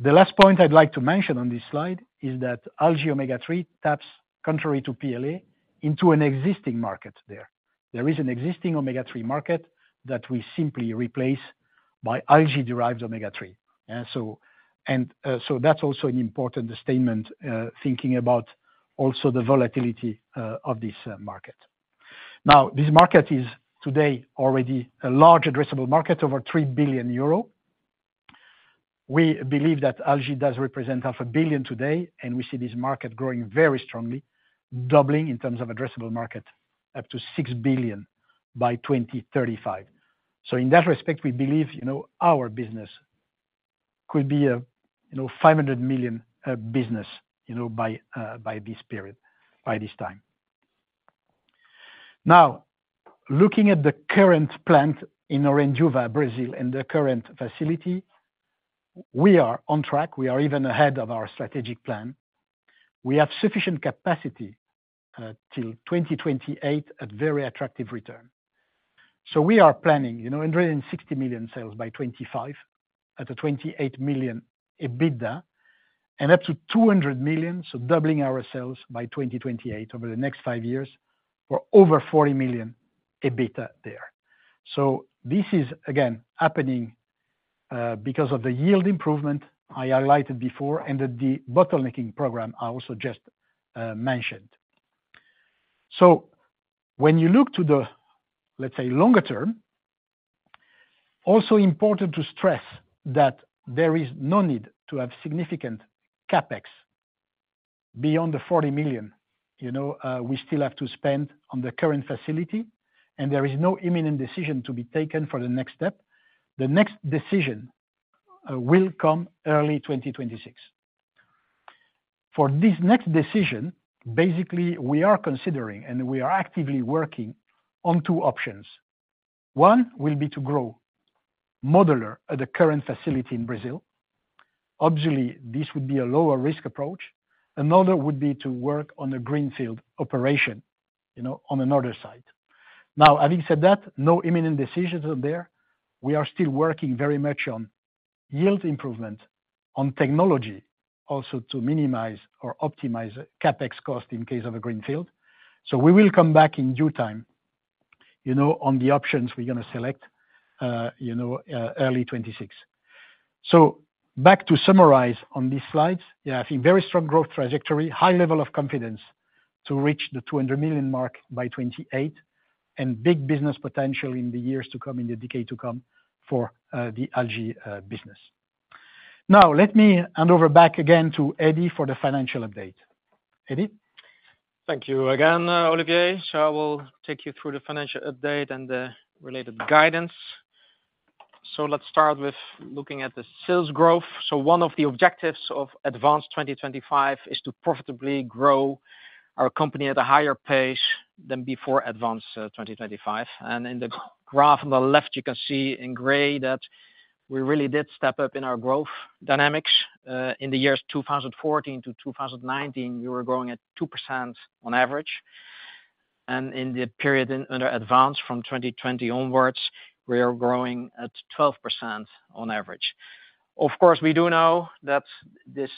S3: The last point I'd like to mention on this slide is that algae omega-3 taps contrary to PLA into an existing market there. There is an existing omega-3 market that we simply replace by algae-derived omega-3. Yeah, so and, so that's also an important statement, thinking about also the volatility, of this, market. Now, this market is today already a large addressable market, over 3 billion euro. We believe that algae does represent 500 million today, and we see this market growing very strongly, doubling in terms of addressable market up to 6 billion by 2035. So in that respect, we believe, you know, our business could be a, you know, 500 million, business, you know, by, by this period, by this time. Now, looking at the current plant in Orindiúva, Brazil, and the current facility, we are on track. We are even ahead of our strategic plan. We have sufficient capacity till 2028 at very attractive return. So we are planning, you know, 160 million sales by 2025, at a 28 million EBITDA, and up to 200 million, so doubling our sales by 2028, over the next five years, for over 40 million EBITDA there. So this is, again, happening because of the yield improvement I highlighted before and the debottlenecking program I also just mentioned. So when you look to the, let's say, longer term, also important to stress that there is no need to have significant CapEx beyond the 40 million. You know, we still have to spend on the current facility, and there is no imminent decision to be taken for the next step. The next decision will come early 2026. For this next decision, basically, we are considering, and we are actively working on two options. One will be to grow modular at the current facility in Brazil. Obviously, this would be a lower risk approach. Another would be to work on a greenfield operation, you know, on another site. Now, having said that, no imminent decisions are there. We are still working very much on yield improvement on technology, also to minimize or optimize CapEx cost in case of a greenfield. So we will come back in due time, you know, on the options we're gonna select, early 2026. So back to summarize on these slides, yeah, I think very strong growth trajectory, high level of confidence to reach the 200 million mark by 2028, and big business potential in the years to come, in the decade to come for the algae business. Now, let me hand over back again to Eddy for the financial update. Eddy?
S4: Thank you again, Olivier. So I will take you through the financial update and the related guidance. So let's start with looking at the sales growth. So one of the objectives of Advance 2025 is to profitably grow our company at a higher pace than before Advance 2025. And in the graph on the left, you can see in gray that we really did step up in our growth dynamics. In the years 2014 to 2019, we were growing at 2% on average, and in the period under Advance 2025 from 2020 onwards, we are growing at 12% on average. Of course, we do know that this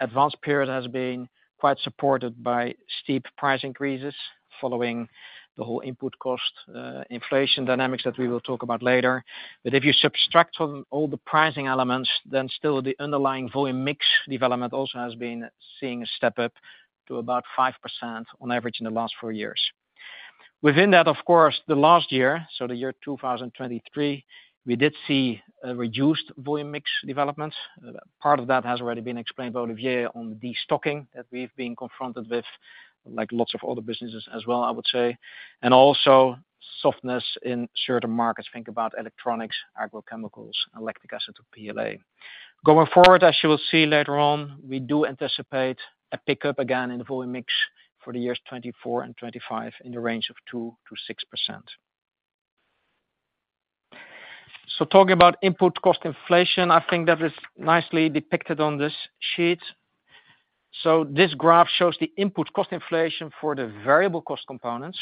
S4: Advance 2025 period has been quite supported by steep price increases, following the whole input cost inflation dynamics that we will talk about later. But if you subtract from all the pricing elements, then still the underlying volume mix development also has been seeing a step up to about 5% on average in the last four years. Within that, of course, the last year, so the year 2023, we did see a reduced volume mix development. Part of that has already been explained by Olivier on destocking, that we've been confronted with, like lots of other businesses as well, I would say. And also softness in certain markets. Think about electronics, agrochemicals, and lactic acid to PLA. Going forward, as you will see later on, we do anticipate a pickup again in the volume mix for the years 2024 and 2025, in the range of 2%-6%. So talking about input cost inflation, I think that is nicely depicted on this sheet. So this graph shows the input cost inflation for the variable cost components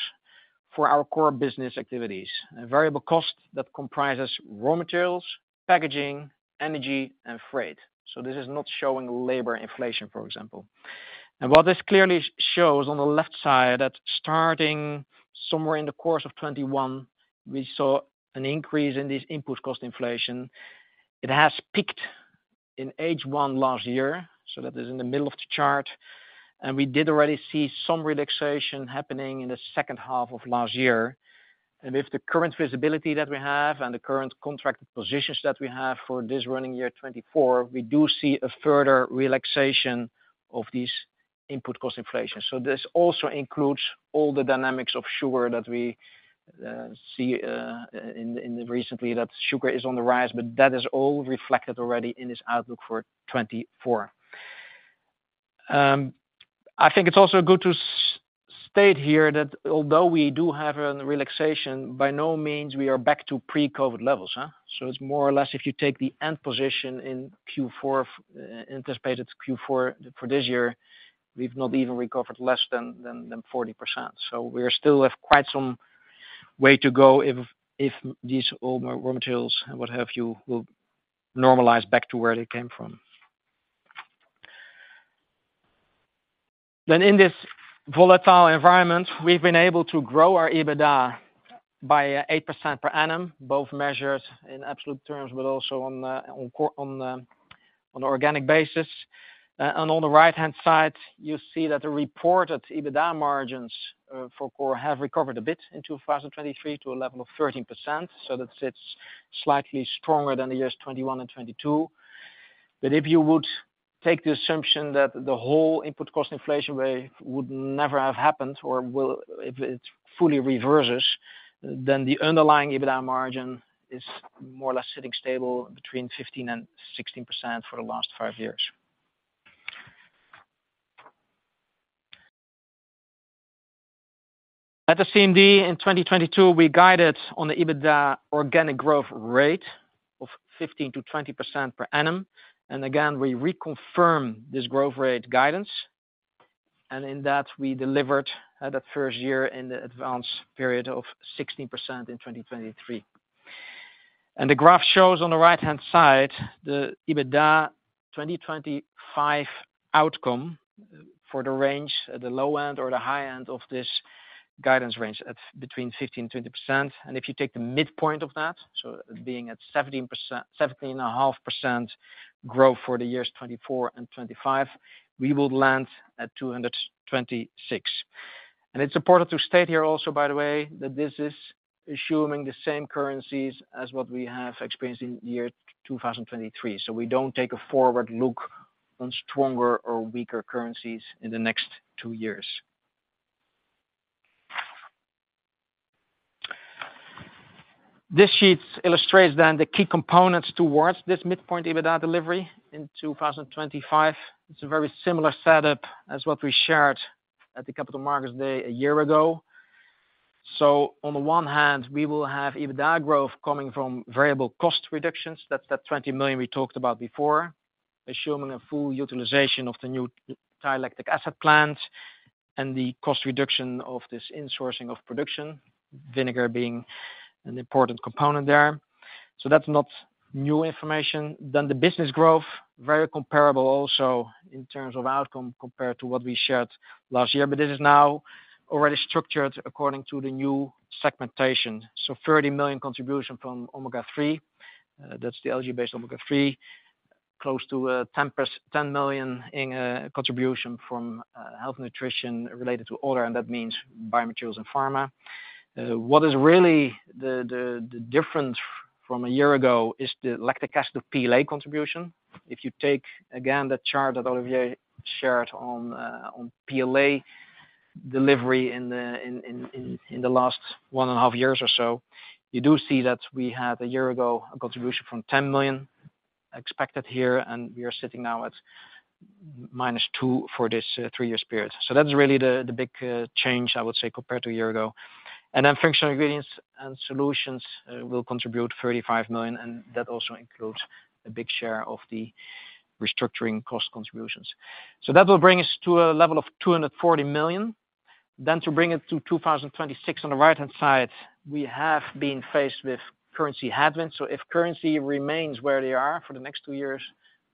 S4: for our core business activities. A variable cost that comprises raw materials, packaging, energy, and freight. So this is not showing labor inflation, for example. And what this clearly shows on the left side, that starting somewhere in the course of 2021, we saw an increase in this input cost inflation. It has peaked in H1 last year, so that is in the middle of the chart, and we did already see some relaxation happening in the second half of last year. And with the current visibility that we have and the current contracted positions that we have for this running year 2024, we do see a further relaxation of this input cost inflation. This also includes all the dynamics of sugar that we see in recently, that sugar is on the rise, but that is all reflected already in this outlook for 2024. I think it's also good to state here that although we do have a relaxation, by no means we are back to pre-COVID levels, huh? It's more or less, if you take the end position in Q4, anticipated Q4 for this year, we've not even recovered less than 40%. So we still have quite some way to go if these all raw materials and what have you will normalize back to where they came from. Then in this volatile environment, we've been able to grow our EBITDA by 8% per annum, both measured in absolute terms, but also on the organic basis. And on the right-hand side, you see that the reported EBITDA margins for core have recovered a bit in 2023 to a level of 13%, so that sits slightly stronger than the years 2021 and 2022. But if you would take the assumption that the whole input cost inflation rate would never have happened or will-- if it fully reverses, then the underlying EBITDA margin is more or less sitting stable between 15% and 16% for the last five years. At the CMD in 2022, we guided on the EBITDA organic growth rate of 15%-20% per annum, and again, we reconfirm this growth rate guidance. In that, we delivered that first year in the advanced period of 16% in 2023. The graph shows on the right-hand side, the EBITDA 2025 outcome for the range at the low end or the high end of this guidance range, at 15%-20%. If you take the midpoint of that, so being at 17%-17.5% growth for the years 2024 and 2025, we will land at 226. It's important to state here also, by the way, that this is assuming the same currencies as what we have experienced in the year 2023. So we don't take a forward look on stronger or weaker currencies in the next two years. This sheet illustrates then the key components towards this midpoint EBITDA delivery in 2025. It's a very similar setup as what we shared at the Capital Markets Day a year ago. So on the one hand, we will have EBITDA growth coming from variable cost reductions. That's the 20 million we talked about before, assuming a full utilization of the new lactic acid plant and the cost reduction of this insourcing of production, vinegar being an important component there. So that's not new information. Then the business growth, very comparable also in terms of outcome compared to what we shared last year, but this is now already structured according to the new segmentation. So 30 million contribution from omega-3, that's the algae-based omega-3, close to 10 million in contribution from health nutrition related to other, and that means biomaterials and pharma. What is really the difference from a year ago is the lactic acid, the PLA contribution. If you take again the chart that Olivier shared on on PLA delivery in the last one and a half years or so, you do see that we had a year ago a contribution from 10 million expected here, and we are sitting now at minus two for this three-year period. So that's really the big change, I would say, compared to a year ago. And then functional ingredients and solutions will contribute 35 million, and that also includes a big share of the restructuring cost contributions. So that will bring us to a level of 240 million. Then to bring it to 2026, on the right-hand side, we have been faced with currency headwinds. So if currency remains where they are for the next two years,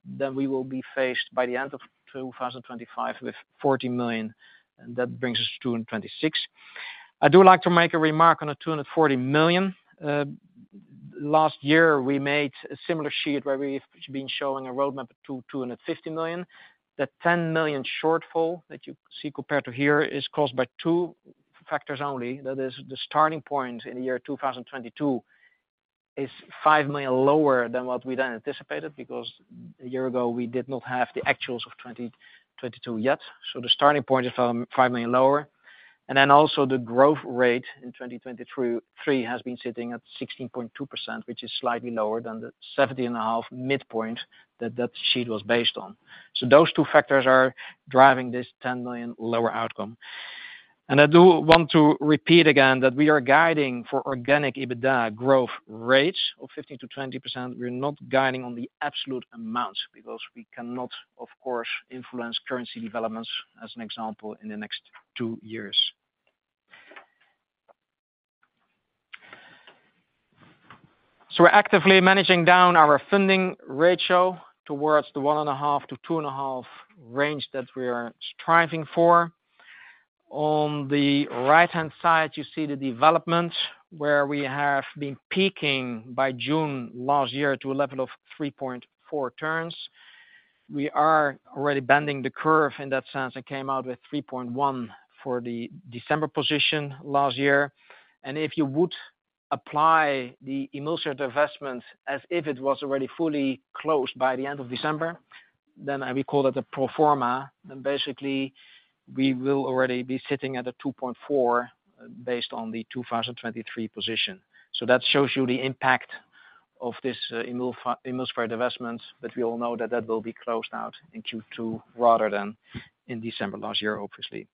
S4: then we will be faced by the end of 2025 with 40 million, and that brings us to 226. I do like to make a remark on the 240 million. Last year, we made a similar sheet where we've been showing a roadmap to 250 million. That 10 million shortfall that you see compared to here is caused by two factors only. That is the starting point in the year 2022 is 5 million lower than what we then anticipated, because a year ago, we did not have the actuals of 2022 yet. So the starting point is 5 million lower. Then also the growth rate in 2023 has been sitting at 16.2%, which is slightly lower than the 17.5 midpoint that that sheet was based on. So those two factors are driving this 10 million lower outcome. And I do want to repeat again that we are guiding for organic EBITDA growth rates of 15%-20%. We're not guiding on the absolute amounts because we cannot, of course, influence currency developments as an example in the next two years. So we're actively managing down our funding ratio towards the 1.5-2.5 range that we are striving for. On the right-hand side, you see the development where we have been peaking by June last year to a level of 3.4 turns. We are already bending the curve in that sense, and came out with 3.1 for the December position last year. If you would apply the emulsifier divestment as if it was already fully closed by the end of December, then I will call that a pro forma, then basically, we will already be sitting at a 2.4 based on the 2023 position. That shows you the impact of this emulsifier divestment, but we all know that that will be closed out in Q2, rather than in December last year, obviously.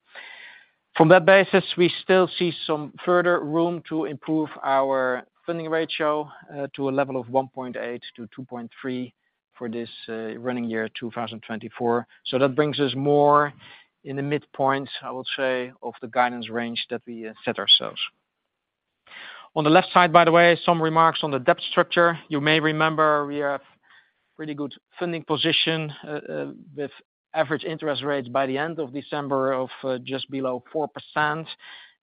S4: From that basis, we still see some further room to improve our funding ratio to a level of 1.8-2.3 for this running year, 2024. So that brings us more in the midpoint, I would say, of the guidance range that we set ourselves. On the left side, by the way, some remarks on the debt structure. You may remember, we have pretty good funding position with average interest rates by the end of December of just below 4%.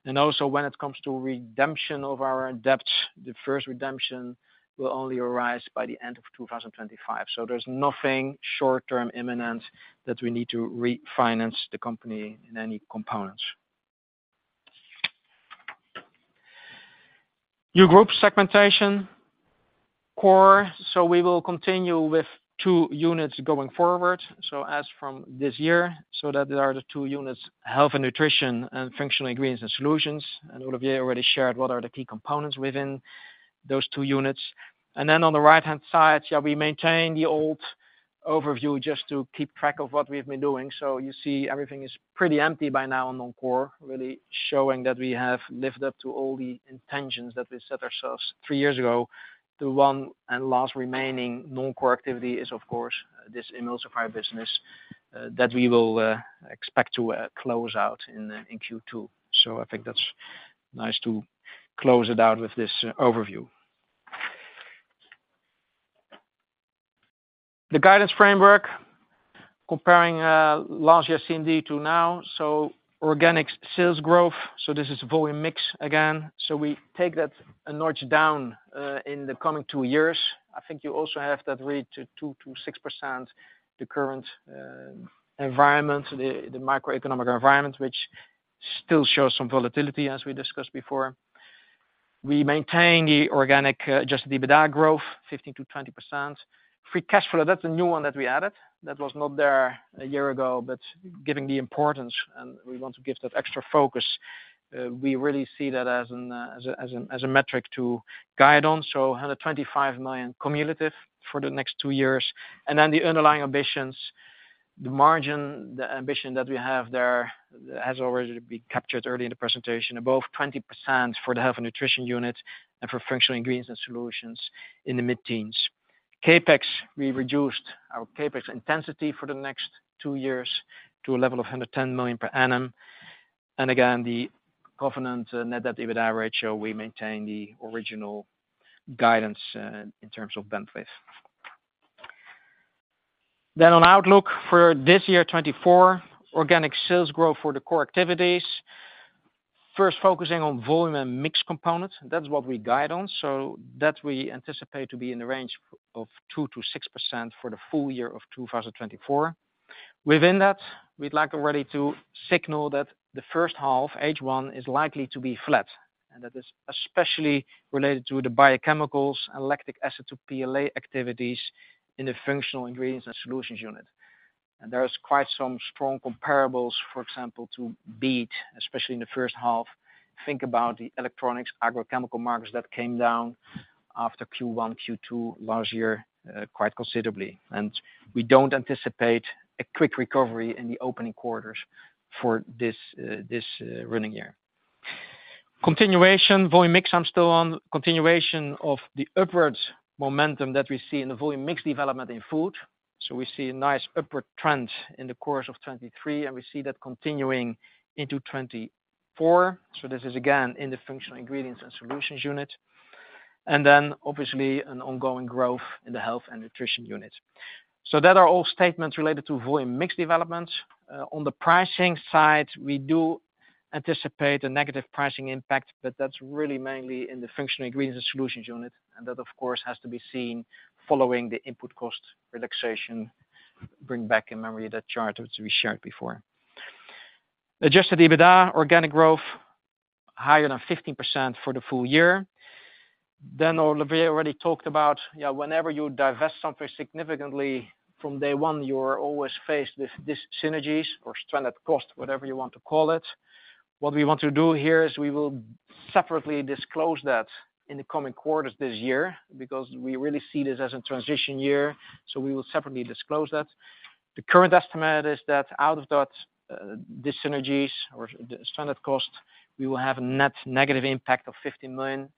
S4: And also, when it comes to redemption of our debt, the first redemption will only arise by the end of 2025. So there's nothing short-term imminent that we need to refinance the company in any components. New group segmentation core. So we will continue with two units going forward. So as from this year, so that there are the two units, health and nutrition and functional ingredients and solutions, and Olivier already shared what are the key components within those two units. And then on the right-hand side, shall we maintain the old overview just to keep track of what we've been doing? So you see everything is pretty empty by now on non-core, really showing that we have lived up to all the intentions that we set ourselves three years ago. The one and last remaining non-core activity is, of course, this emulsifier business that we will expect to close out in Q2. So I think that's nice to close it out with this overview. The guidance framework, comparing last year's CMD to now. So organic sales growth, so this is volume mix again. So we take that a notch down in the coming two years. I think you also have that read to 2%-6%, the current environment, the macroeconomic environment, which still shows some volatility, as we discussed before. We maintain the organic adjusted EBITDA growth, 15%-20%. Free Cash Flow, that's a new one that we added. That was not there a year ago, but given the importance, and we want to give that extra focus, we really see that as a metric to guide on. So 125 million cumulative for the next two years. And then the underlying ambitions. The margin, the ambition that we have there, has already been captured early in the presentation, above 20% for the health and nutrition unit and for functional ingredients and solutions in the mid-teens. CapEx, we reduced our CapEx intensity for the next two years to a level of 110 million per annum. And again, the covenant net debt, EBITDA ratio, we maintain the original guidance in terms of bandwidth. Then on outlook for this year, 2024, organic sales growth for the core activities. First, focusing on volume and mix components, that's what we guide on. So that we anticipate to be in the range of 2%-6% for the full year of 2024. Within that, we'd like already to signal that the first half, H1, is likely to be flat, and that is especially related to the biochemicals and lactic acid to PLA activities in the functional ingredients and solutions unit. And there is quite some strong comparables, for example, to beat, especially in the first half. Think about the electronics, agrochemical markets that came down after Q1, Q2 last year quite considerably. We don't anticipate a quick recovery in the opening quarters for this running year. I'm still on continuation of the upwards momentum that we see in the volume mix development in food. So we see a nice upward trend in the course of 2023, and we see that continuing into 2024. So this is again in the functional ingredients and solutions unit, and then obviously an ongoing growth in the health and nutrition unit. So that are all statements related to volume mix developments. On the pricing side, we do anticipate a negative pricing impact, but that's really mainly in the functional ingredients and solutions unit, and that, of course, has to be seen following the input cost relaxation. Bring back in memory that chart, which we shared before. Adjusted EBITDA, organic growth, higher than 15% for the full year. Then, Olivier already talked about, yeah, whenever you divest something significantly from day one, you're always faced with dis-synergies or stranded cost, whatever you want to call it. What we want to do here is we will separately disclose that in the coming quarters this year, because we really see this as a transition year, so we will separately disclose that. The current estimate is that out of that, dis-synergies or stranded cost, we will have a net negative impact of 50 million,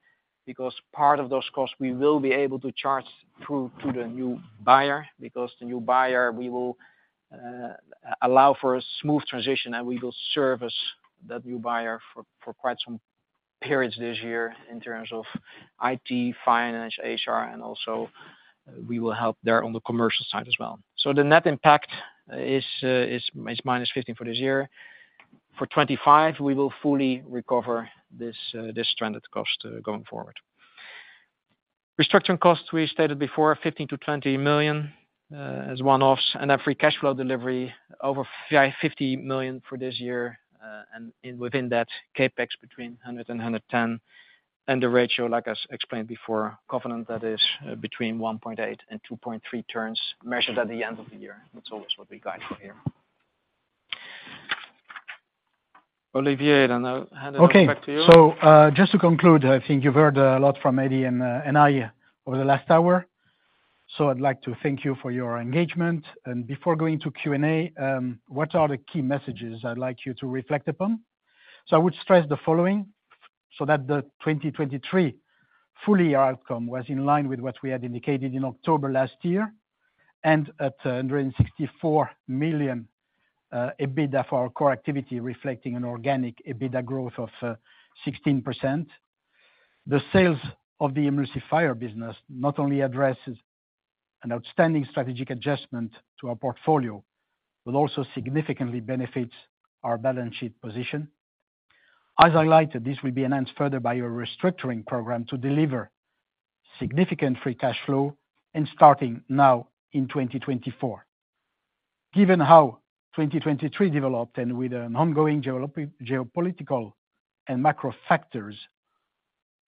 S4: because part of those costs, we will be able to charge through to the new buyer. Because the new buyer, we will allow for a smooth transition, and we will service that new buyer for quite some periods this year in terms of IT, finance, HR, and also we will help there on the commercial side as well. So the net impact is -50 million for this year. For 2025, we will fully recover this stranded cost going forward. Restructuring costs, we stated before, 15-20 million as one-offs, and our free cash flow delivery over 50 million for this year. And within that, CapEx between 100 and 110, and the ratio, like I explained before, covenant that is between 1.8 and 2.3 turns, measured at the end of the year. That's always what we guide for here. Olivier, then I'll hand it back to you.
S3: Okay. So, just to conclude, I think you've heard a lot from Eddy and I over the last hour. So I'd like to thank you for your engagement. And before going to Q&A, what are the key messages I'd like you to reflect upon? So I would stress the following, so that the 2023 full year outcome was in line with what we had indicated in October last year, and at 164 million EBITDA for our core activity, reflecting an organic EBITDA growth of 16%. The sales of the emulsifier business not only addresses an outstanding strategic adjustment to our portfolio, but also significantly benefits our balance sheet position. As highlighted, this will be enhanced further by our restructuring program to deliver significant free cash flow and starting now in 2024. Given how 2023 developed and with an ongoing geopolitical and macro factors,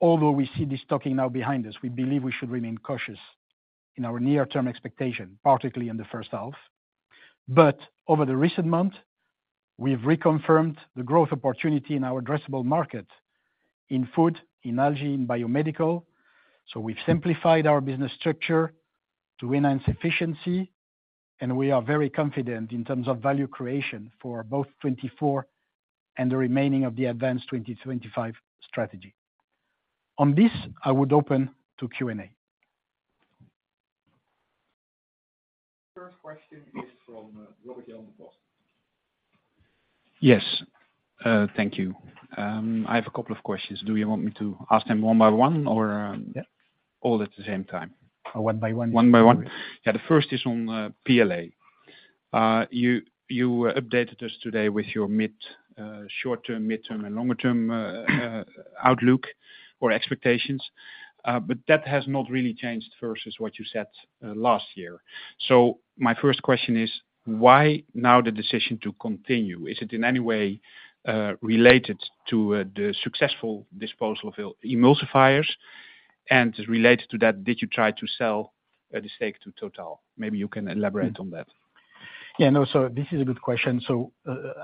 S3: although we see this talking now behind us, we believe we should remain cautious in our near-term expectation, particularly in the first half. But over the recent months, we've reconfirmed the growth opportunity in our addressable market, in food, in algae, in biomedical. So we've simplified our business structure to enhance efficiency, and we are very confident in terms of value creation for both 2024 and the remaining of the Advance 2025 strategy. On this, I would open to Q&A.
S2: First question is from Robert Jan Vos.
S5: Yes, thank you. I have a couple of questions. Do you want me to ask them one by one or...?
S3: Yeah.
S5: All at the same time?
S3: One by one.
S5: One by one? Yeah. The first is on PLA. You updated us today with your mid, short term, mid-term, and longer term outlook or expectations, but that has not really changed versus what you said last year. So my first question is, why now the decision to continue? Is it in any way related to the successful disposal of emulsifiers? And related to that, did you try to sell the stake to Total? Maybe you can elaborate on that.
S3: Yeah, no, so this is a good question. So,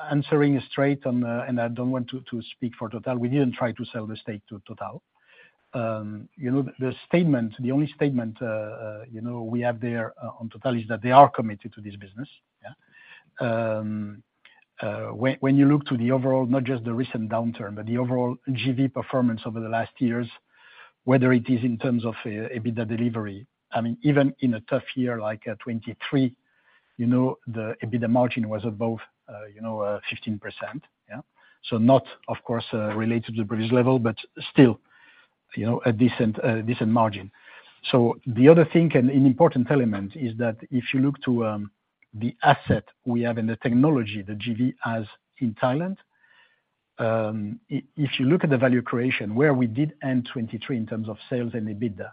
S3: answering straight on, and I don't want to speak for Total, we didn't try to sell the stake to Total. You know, the statement, the only statement you know we have there on Total is that they are committed to this business, yeah. When you look to the overall, not just the recent downturn, but the overall JV performance over the last years, whether it is in terms of EBITDA delivery, I mean, even in a tough year, like 2023, you know, the EBITDA margin was above 15%, yeah? So not, of course, related to the previous level, but still, you know, a decent margin. So the other thing, and an important element, is that if you look to the asset we have and the technology, the JV has in Thailand, if you look at the value creation, where we did end 2023 in terms of sales and EBITDA,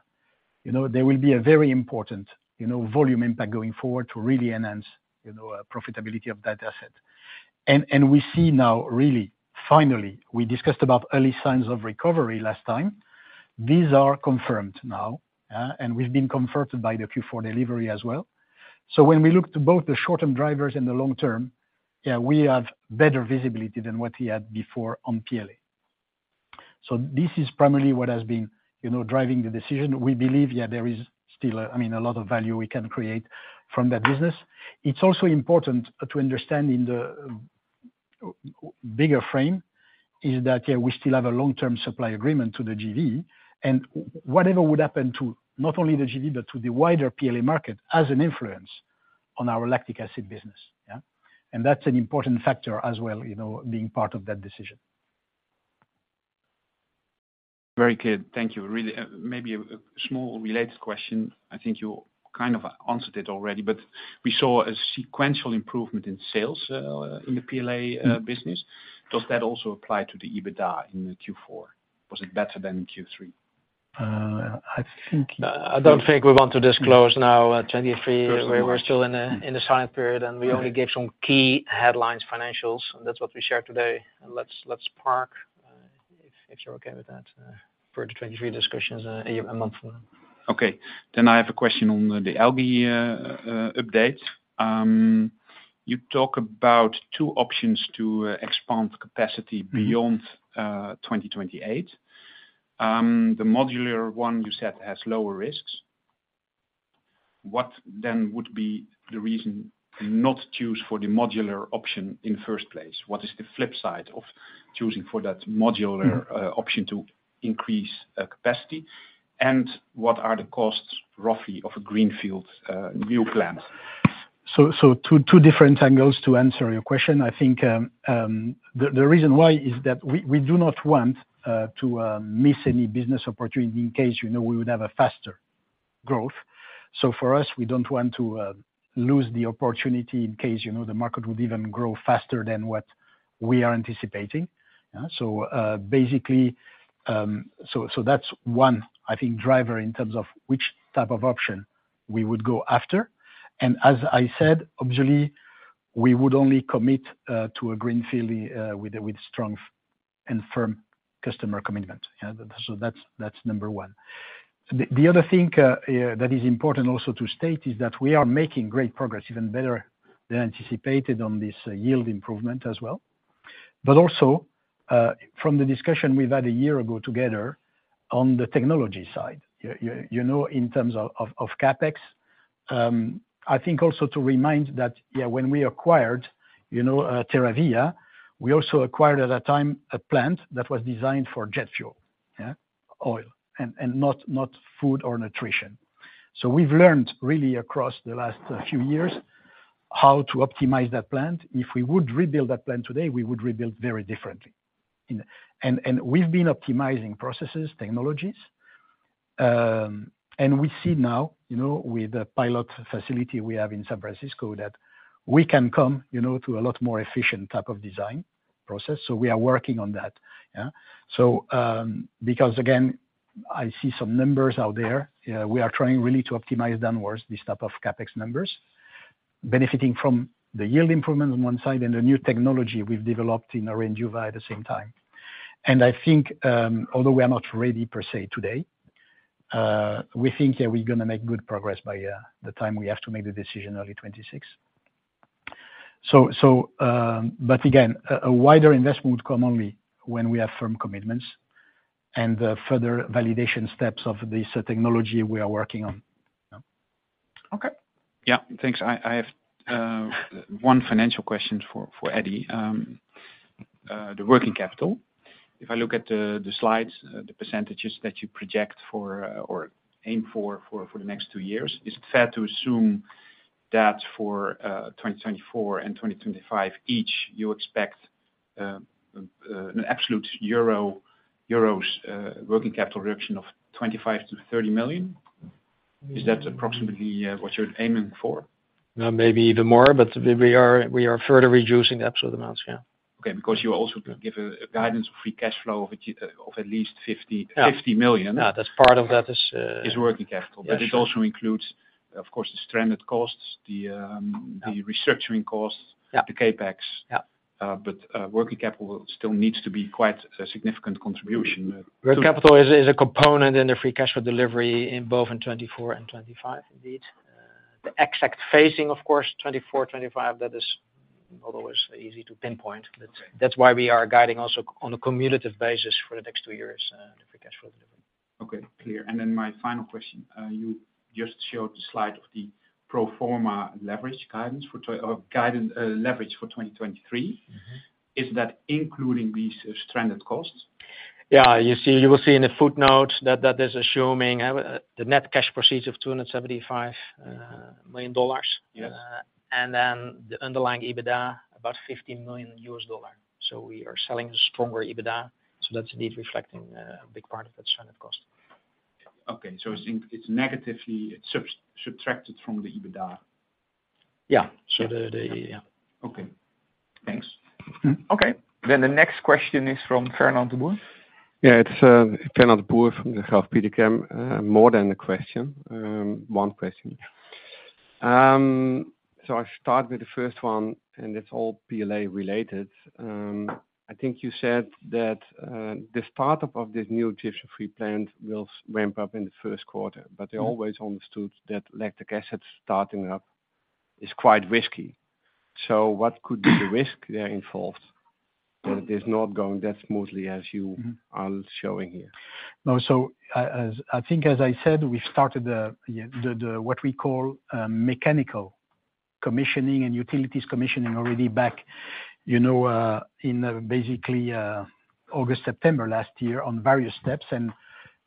S3: you know, there will be a very important, you know, volume impact going forward to really enhance, you know, profitability of that asset. And, and we see now, really, finally, we discussed about early signs of recovery last time. These are confirmed now, and we've been confirmed by the Q4 delivery as well. So when we look to both the short-term drivers and the long term, yeah, we have better visibility than what we had before on PLA. So this is primarily what has been, you know, driving the decision. We believe, yeah, there is still, I mean, a lot of value we can create from that business. It's also important to understand in the bigger frame, is that, yeah, we still have a long-term supply agreement to the GV, and whatever would happen to not only the GV, but to the wider PLA market, has an influence on our lactic acid business, yeah? And that's an important factor as well, you know, being part of that decision.
S5: Very clear. Thank you. Really, maybe a small related question. I think you kind of answered it already, but we saw a sequential improvement in sales in the PLA business. Does that also apply to the EBITDA in the Q4? Was it better than in Q3?
S3: I think-
S4: I don't think we want to disclose now, 2023. We're still in the silent period, and we only gave some key headlines, financials, and that's what we shared today. And let's park, if you're okay with that, further 2023 discussions, a month from now.
S5: Okay. Then I have a question on the algae update. You talk about two options to expand capacity-
S3: Mm-hmm.
S5: beyond 2028. The modular one you said has lower risks. What then would be the reason not choose for the modular option in first place? What is the flip side of choosing for that modular-
S3: Mm.
S5: - option to increase capacity? And what are the costs, roughly, of a greenfield new plant?
S3: So, two different angles to answer your question. I think, the reason why is that we do not want to miss any business opportunity in case, you know, we would have a faster growth. So for us, we don't want to lose the opportunity in case, you know, the market would even grow faster than what we are anticipating. So, that's one, I think, driver in terms of which type of option we would go after. And as I said, obviously, we would only commit to a greenfield with strong and firm customer commitment. Yeah, so that's number one. The other thing that is important also to state is that we are making great progress, even better than anticipated, on this yield improvement as well. But also, from the discussion we've had a year ago together on the technology side, you know, in terms of CapEx, I think also to remind that, yeah, when we acquired, you know, TerraVia, we also acquired at that time a plant that was designed for jet fuel, yeah, oil, and not food or nutrition. So we've learned really across the last few years how to optimize that plant. If we would rebuild that plant today, we would rebuild very differently. And we've been optimizing processes, technologies, and we see now, you know, with the pilot facility we have in San Francisco, that we can come, you know, to a lot more efficient type of design process. So we are working on that. Yeah. So, because again, I see some numbers out there, we are trying really to optimize downwards these type of CapEx numbers, benefiting from the yield improvement on one side and the new technology we've developed in Orindiúva at the same time. And I think, although we are not ready per se today, we think that we're gonna make good progress by the time we have to make the decision early 2026. But again, a wider investment would come only when we have firm commitments and further validation steps of this technology we are working on.
S5: Okay. Yeah, thanks. I, I have one financial question for, for Eddy. The working capital. If I look at the, the slides, the percentages that you project for, or aim for, for, for the next two years, is it fair to assume that for 2024 and 2025 each, you expect an absolute euros working capital reduction of 25-30 million? Is that approximately what you're aiming for?
S4: No, maybe even more, but we are, we are further reducing the absolute amounts, yeah.
S5: Okay, because you also give a guidance of free cash flow of at least 50-
S4: Yeah.
S5: Fifty million.
S4: Yeah, that's part of that is,
S5: Is working capital.
S4: Yes.
S5: But it also includes, of course, the stranded costs,
S4: Yeah...
S5: the restructuring costs-
S4: Yeah...
S5: the CapEx.
S4: Yeah.
S5: But, working capital still needs to be quite a significant contribution,
S4: Working capital is a component in the Free Cash Flow delivery in both 2024 and 2025, indeed.... The exact phasing, of course, 2024, 2025, that is not always easy to pinpoint.
S5: Okay.
S4: That's why we are guiding also on a cumulative basis for the next two years, for cash flow delivery.
S5: Okay, clear. And then my final question. You just showed the slide of the pro forma leverage guidance for 2023.
S4: Mm-hmm.
S5: Is that including these stranded costs?
S4: Yeah, you see, you will see in the footnotes that, that is assuming the net cash proceeds of $275 million.
S5: Yes.
S4: And then the underlying EBITDA, about $50 million. So we are selling a stronger EBITDA, so that's indeed reflecting a big part of that stranded cost.
S5: Okay. So it's, it's negatively subtracted from the EBITDA?
S4: Yeah. So yeah.
S5: Okay. Thanks.
S4: Mm-hmm.
S2: Okay. Then the next question is from Fernand de Boer.
S6: Yeah, it's Fernand de Boer from Rabobank, more than a question, one question. So I start with the first one, and it's all PLA related. I think you said that the startup of this new gypsum-free plant will ramp up in the first quarter, but I always understood that lactic acid starting up is quite risky. So what could be the risk there involved, that it's not going that smoothly as you-
S3: Mm-hmm...
S6: are showing here?
S3: No, so, as I think, as I said, we started the, the what we call mechanical commissioning and utilities commissioning already back, you know, in basically August, September last year on various steps.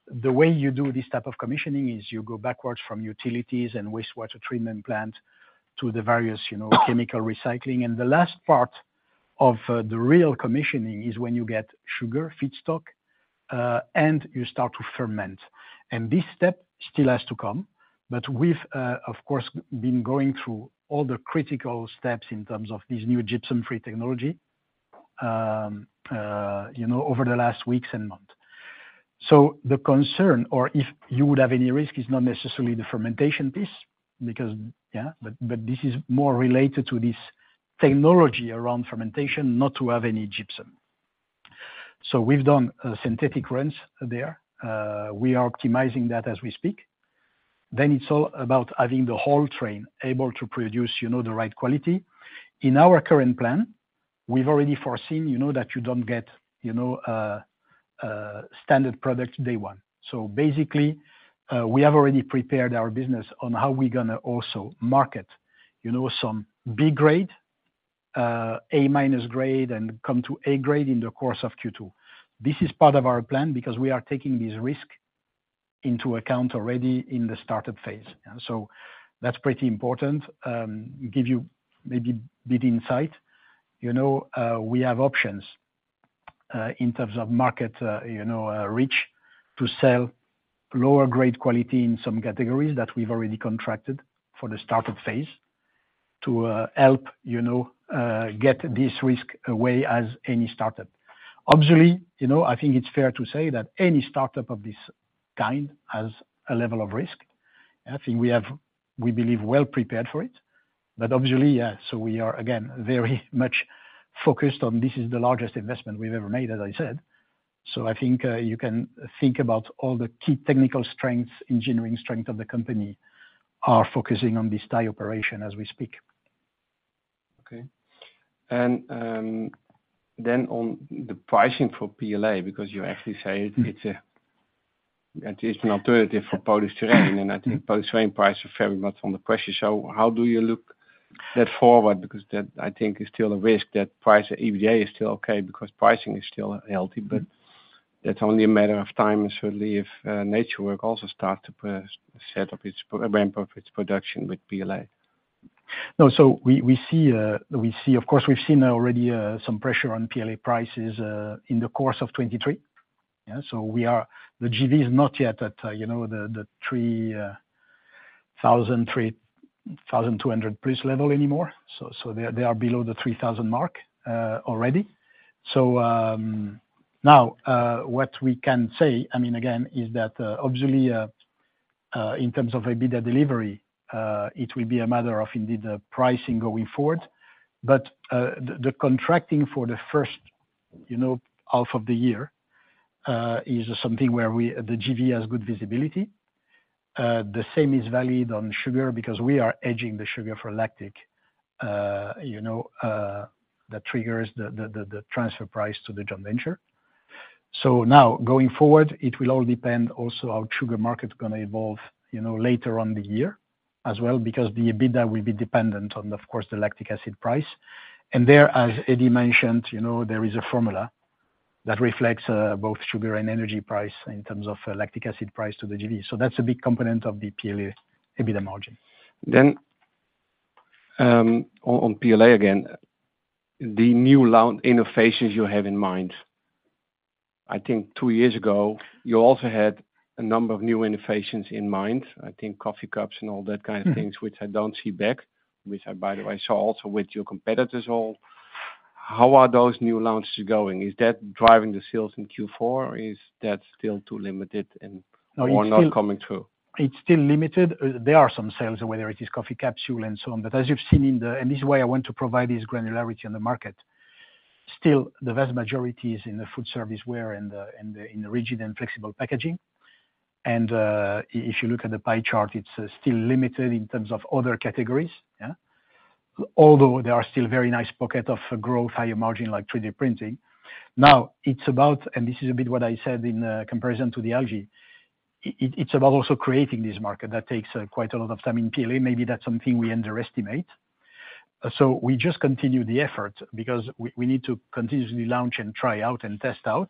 S3: The way you do this type of commissioning is you go backwards from utilities and wastewater treatment plant to the various, you know, chemical recycling. The last part of the real commissioning is when you get sugar feedstock and you start to ferment. This step still has to come, but we've, of course, been going through all the critical steps in terms of this new Gypsum-free Technology, you know, over the last weeks and months. So the concern, or if you would have any risk, is not necessarily the fermentation piece, because, yeah, but this is more related to this technology around fermentation, not to have any gypsum. So we've done synthetic runs there. We are optimizing that as we speak. Then it's all about having the whole train able to produce, you know, the right quality. In our current plan, we've already foreseen, you know, that you don't get, you know, standard product day one. So basically, we have already prepared our business on how we're gonna also market, you know, some B grade, A minus grade, and come to A grade in the course of Q2. This is part of our plan because we are taking this risk into account already in the startup phase. So that's pretty important. Give you maybe a bit insight. You know, we have options, in terms of market, you know, reach to sell lower grade quality in some categories that we've already contracted for the startup phase to, help, you know, get this risk away as any startup. Obviously, you know, I think it's fair to say that any startup of this kind has a level of risk. I think we have, we believe, well prepared for it, but obviously, yeah, so we are, again, very much focused on this is the largest investment we've ever made, as I said. So I think, you can think about all the key technical strengths, engineering strength of the company are focusing on this Thai operation as we speak.
S6: Okay. Then on the pricing for PLA, because you actually say-
S3: Mm-hmm...
S6: it's an alternative for polystyrene, and I think polystyrene price is very much under pressure. So how do you look that forward? Because that, I think, is still a risk, that price of EVA is still okay because pricing is still healthy.
S3: Mm-hmm.
S6: But that's only a matter of time, certainly, if NatureWorks also start to ramp up its production with PLA.
S3: No, so we see. Of course, we've seen already some pressure on PLA prices in the course of 2023. Yeah, so the GV is not yet at, you know, the 3,000-3,200 price level anymore. So they are below the 3,000 mark already. So now what we can say, I mean, again, is that obviously in terms of EBITDA delivery it will be a matter of indeed the pricing going forward. But the contracting for the first, you know, half of the year is something where the GV has good visibility. The same is valid on sugar because we are hedging the sugar for lactic, you know, the triggers, the transfer price to the joint venture. So now, going forward, it will all depend also on sugar market's gonna evolve, you know, later on the year as well, because the EBITDA will be dependent on, of course, the lactic acid price. And there, as Eddy mentioned, you know, there is a formula that reflects both sugar and energy price in terms of lactic acid price to the JV. So that's a big component of the PLA EBITDA margin.
S6: Then, on PLA again, the new Luminy innovations you have in mind. I think two years ago, you also had a number of new innovations in mind. I think coffee cups and all that kind of things-
S3: Mm-hmm...
S6: which I don't see back, which I, by the way, saw also with your competitors all. How are those new launches going? Is that driving the sales in Q4, or is that still too limited and-
S3: No, it's still-
S6: Or not coming true?
S3: It's still limited. There are some sales, whether it is coffee capsule and so on. But as you've seen in the – and this is why I want to provide this granularity on the market. Still, the vast majority is in the food service where in the rigid and flexible packaging. And if you look at the pie chart, it's still limited in terms of other categories, yeah. Although there are still very nice pocket of growth, higher margin, like 3-D printing. Now, it's about, and this is a bit what I said in comparison to the algae. It, it's about also creating this market that takes quite a lot of time in PLA. Maybe that's something we underestimate. So we just continue the effort because we need to continuously launch and try out and test out.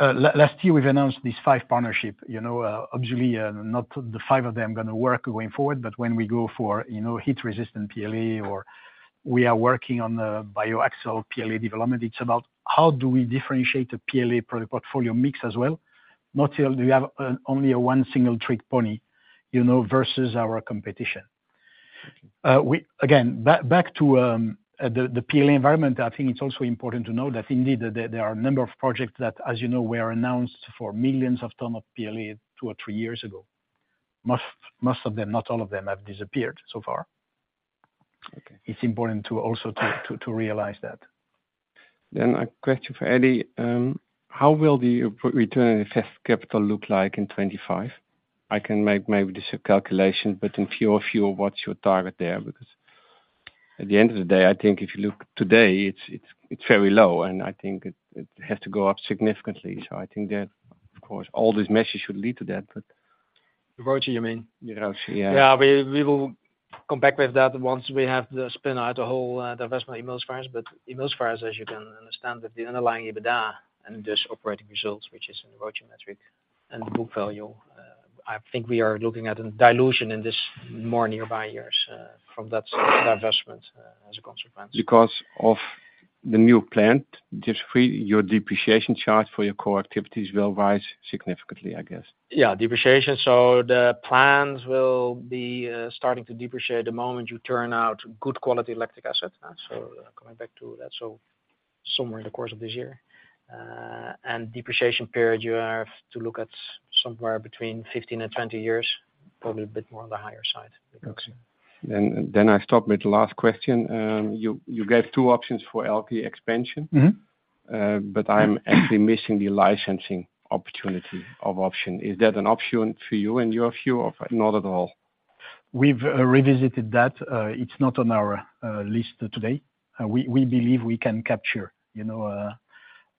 S3: Last year, we've announced these five partnership, you know, obviously, not the five of them gonna work going forward, but when we go for, you know, heat-resistant PLA, or we are working on the biaxial PLA development, it's about how do we differentiate the PLA portfolio mix as well? Not only do we have only a one single trick pony, you know, versus our competition. Again, back to the PLA environment, I think it's also important to know that indeed, there are a number of projects that, as you know, were announced for millions of ton of PLA two or three years ago. Most of them, not all of them, have disappeared so far.
S6: Okay.
S3: It's important to also realize that.
S6: Then a question for Eddy. How will the return on invested capital look like in 2025? I can make maybe this a calculation, but if you view, what's your target there? Because at the end of the day, I think if you look today, it's very low, and I think it has to go up significantly. So I think that of course, all this message should lead to that, but-
S4: The ROIC, you mean?
S6: The ROIC, yeah.
S4: Yeah, we will come back with that once we have the spin out, the whole, divestment emails for us. But emails for us, as you can understand, that the underlying EBITDA and this operating results, which is in the ROIC metric and the book value, I think we are looking at a dilution in this more nearby years, from that divestment, as a consequence.
S6: Because of the new plant, the depreciation charge for your core activities will rise significantly, I guess.
S4: Yeah, depreciation. So the plans will be, starting to depreciate the moment you turn out good quality electric assets. So coming back to that, so somewhere in the course of this year. And depreciation period, you have to look at somewhere between 15 and 20 years, probably a bit more on the higher side.
S6: Okay. Then I stop with the last question. You gave two options for PLA expansion.
S3: Mm-hmm.
S6: But I'm actually missing the licensing opportunity of option. Is that an option for you and your view or not at all?
S3: We've revisited that. It's not on our list today. We believe we can capture, you know,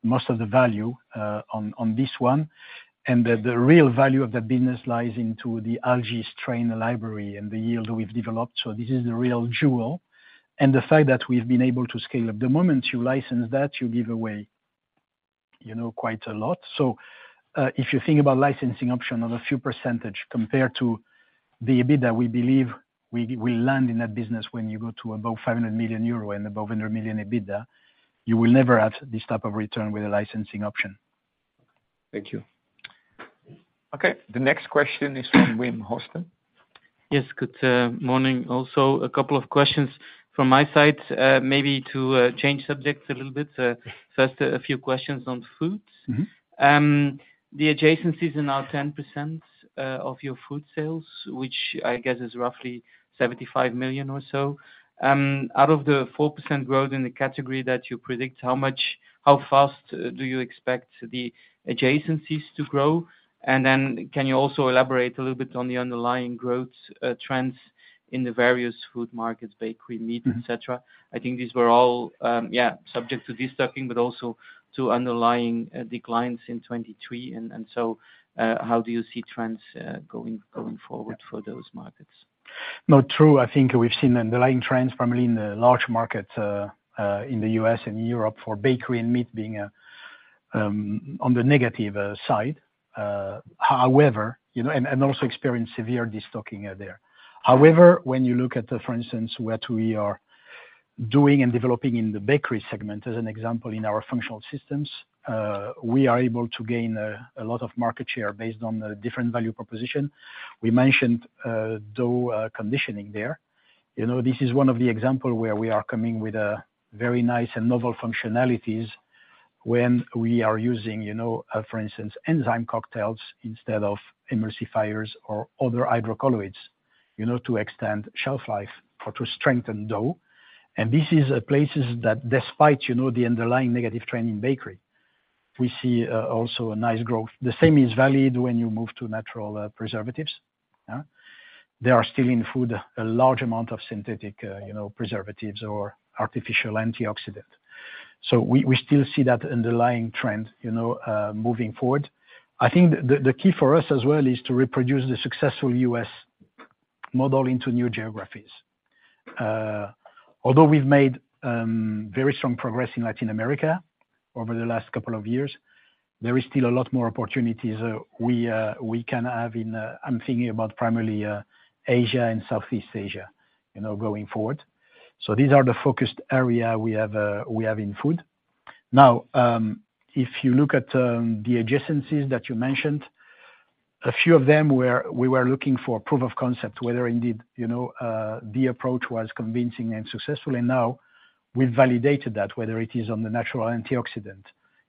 S3: most of the value on this one, and the real value of the business lies into the algae strain library and the yield we've developed. So this is the real jewel, and the fact that we've been able to scale up, the moment you license that, you give away, you know, quite a lot. So, if you think about licensing option of a few percentage compared to the EBITDA, we believe we land in that business when you go to above 500 million euro and above 100 million EBITDA, you will never have this type of return with a licensing option.
S6: Thank you.
S2: Okay. The next question is from Wim Hoste.
S7: Yes, good morning. Also, a couple of questions from my side. Maybe to change subjects a little bit, first, a few questions on foods.
S3: Mm-hmm.
S7: The adjacencies are now 10% of your food sales, which I guess is roughly 75 million or so. Out of the 4% growth in the category that you predict, how fast do you expect the adjacencies to grow? And then can you also elaborate a little bit on the underlying growth trends in the various food markets, bakery, meat-
S3: Mm....
S7: et cetera? I think these were all subject to destocking, but also to underlying declines in 2023. So, how do you see trends going forward for those markets?
S3: No, true. I think we've seen the underlying trends primarily in the large markets in the U.S. and Europe for bakery and meat being on the negative side. However, you know, and also experienced severe destocking out there. However, when you look at, for instance, what we are doing and developing in the bakery segment, as an example, in our functional systems, we are able to gain a lot of market share based on a different value proposition. We mentioned dough conditioning there. You know, this is one of the example where we are coming with a very nice and novel functionalities when we are using, you know, for instance, enzyme cocktails instead of emulsifiers or other hydrocolloids, you know, to extend shelf life or to strengthen dough. This is places that despite, you know, the underlying negative trend in bakery, we see also a nice growth. The same is valid when you move to natural preservatives. They are still in food, a large amount of synthetic, you know, preservatives or artificial antioxidant. So we still see that underlying trend, you know, moving forward. I think the key for us as well is to reproduce the successful U.S. model into new geographies. Although we've made very strong progress in Latin America over the last couple of years, there is still a lot more opportunities we can have in. I'm thinking about primarily Asia and Southeast Asia, you know, going forward. So these are the focused area we have in food. Now, if you look at the adjacencies that you mentioned, a few of them where we were looking for proof of concept, whether indeed, you know, the approach was convincing and successful, and now we've validated that, whether it is on the natural antioxidant,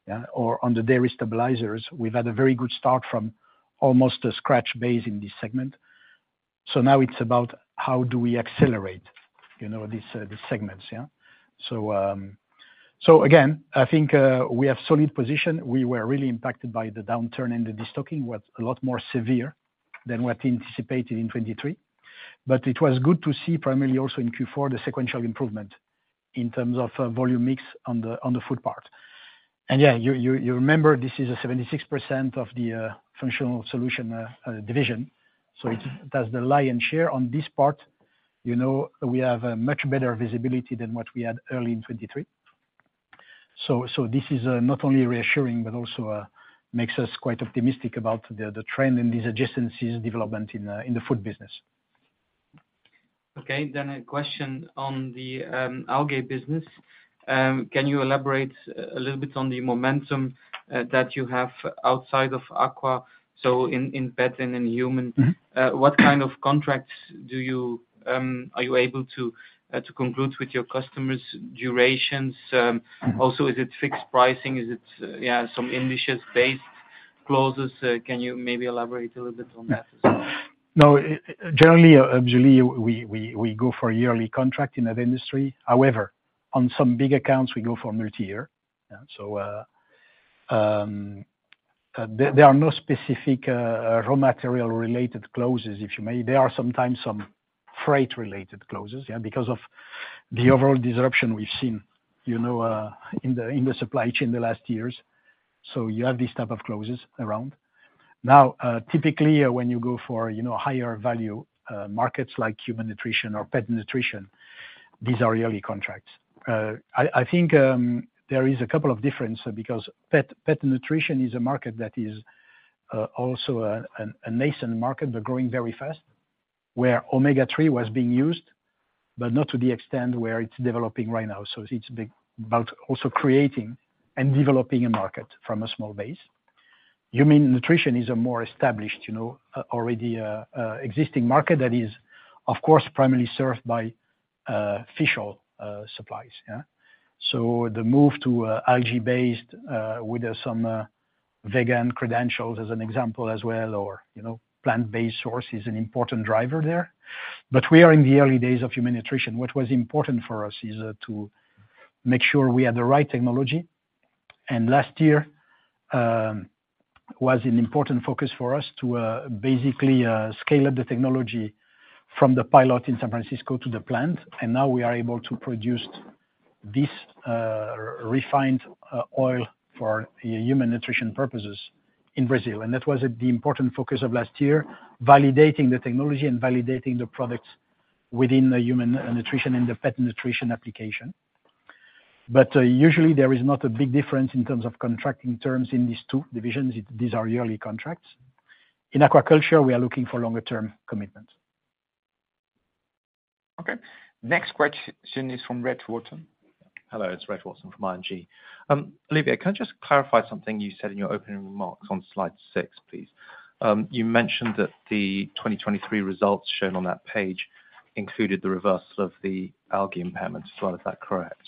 S3: yeah, or on the dairy stabilizers. We've had a very good start from almost a scratch base in this segment. So now it's about how do we accelerate, you know, these, these segments, yeah? So, so again, I think, we have solid position. We were really impacted by the downturn, and the destocking was a lot more severe than what anticipated in 2023. But it was good to see, primarily also in Q4, the sequential improvement in terms of, volume mix on the food part. Yeah, you remember, this is 76% of the functional solution division, so it does the lion's share on this part. You know, we have much better visibility than what we had early in 2023. So this is not only reassuring but also makes us quite optimistic about the trend in these adjacencies development in the food business.
S7: Okay, then a question on the algae business. Can you elaborate a little bit on the momentum that you have outside of aqua, so in pet and in human?
S3: Mm-hmm.
S7: What kind of contracts are you able to conclude with your customers? Durations? Also, is it fixed pricing? Is it, yeah, some index-based clauses? Can you maybe elaborate a little bit on that as well?
S3: No, generally, usually we go for a yearly contract in that industry. However, on some big accounts, we go for multi-year. Yeah, so, there are no specific raw material related clauses, if you may. There are sometimes some freight-related clauses, yeah, because of the overall disruption we've seen, you know, in the supply chain the last years, so you have these type of clauses around. Now, typically, when you go for, you know, higher value markets like human nutrition or pet nutrition, these are yearly contracts. I think there is a couple of difference because pet nutrition is a market that is also a nascent market, but growing very fast, where omega-3 was being used, but not to the extent where it's developing right now. So it's big, but also creating and developing a market from a small base. Human nutrition is a more established, you know, already, existing market that is, of course, primarily served by, official, supplies, yeah? So the move to, algae-based, with some, vegan credentials, as an example as well, or, you know, plant-based source, is an important driver there. But we are in the early days of human nutrition. What was important for us is, to make sure we had the right technology, and last year, was an important focus for us to, basically, scale up the technology from the pilot in San Francisco to the plant. And now we are able to produce this, refined, oil for human nutrition purposes in Brazil. That was the important focus of last year, validating the technology and validating the products within the human nutrition and the pet nutrition application. But, usually there is not a big difference in terms of contracting terms in these two divisions. These are yearly contracts. In aquaculture, we are looking for longer-term commitments.
S2: Okay. Next question is from Reg Watson.
S8: Hello, it's Reg Watson from ING. Olivier, can I just clarify something you said in your opening remarks on slide 6, please? You mentioned that the 2023 results shown on that page included the reversal of the algae impairment as well. Is that correct?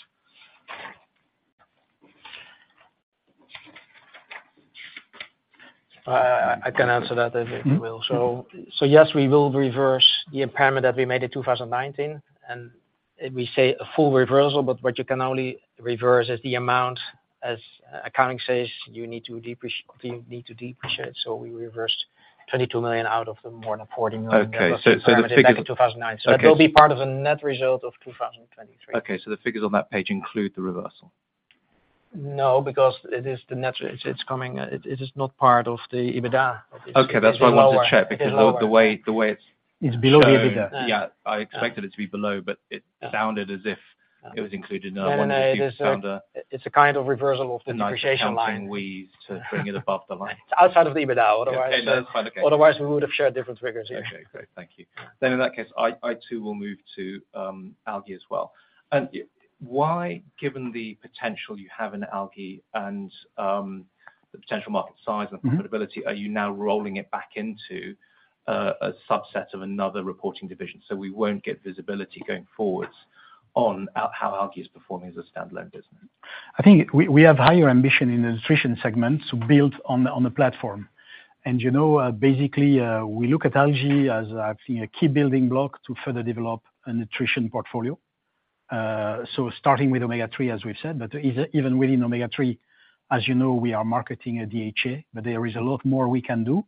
S4: I can answer that, if you will. So yes, we will reverse the impairment that we made in 2019, and we say a full reversal, but what you can only reverse is the amount, as accounting says, you need to depreciate. So we reversed 22 million out of the more than 40 million-
S8: Okay, so the figures-
S4: Back in 2009.
S8: Okay.
S4: It will be part of the net result of 2023.
S8: Okay, so the figures on that page include the reversal?
S4: No, because it is the net. It's coming, it is not part of the EBITDA.
S8: Okay, that's why I wanted to check-
S4: It's lower.
S8: Because of the way it's-
S3: It's below the EBITDA.
S8: Yeah, I expected it to be below, but it-
S4: Yeah.
S8: sounded as if it was included.
S4: No, no, no.
S8: I wonder if you found a-
S4: It's a kind of reversal of the negotiation line.
S8: To bring it above the line.
S4: Outside of the EBITDA, otherwise,
S8: Okay.
S4: Otherwise, we would have shared different figures here.
S8: Okay, great. Thank you. Then in that case, I too will move to algae as well. And why, given the potential you have in algae and the potential market size-
S3: Mm-hmm.
S8: and profitability, are you now rolling it back into a subset of another reporting division? So we won't get visibility going forwards on how algae is performing as a standalone business.
S3: I think we have higher ambition in the nutrition segment to build on the platform. You know, basically, we look at algae as seeing a key building block to further develop a nutrition portfolio. So starting with omega-3, as we've said, but even within omega-3, as you know, we are marketing a DHA, but there is a lot more we can do.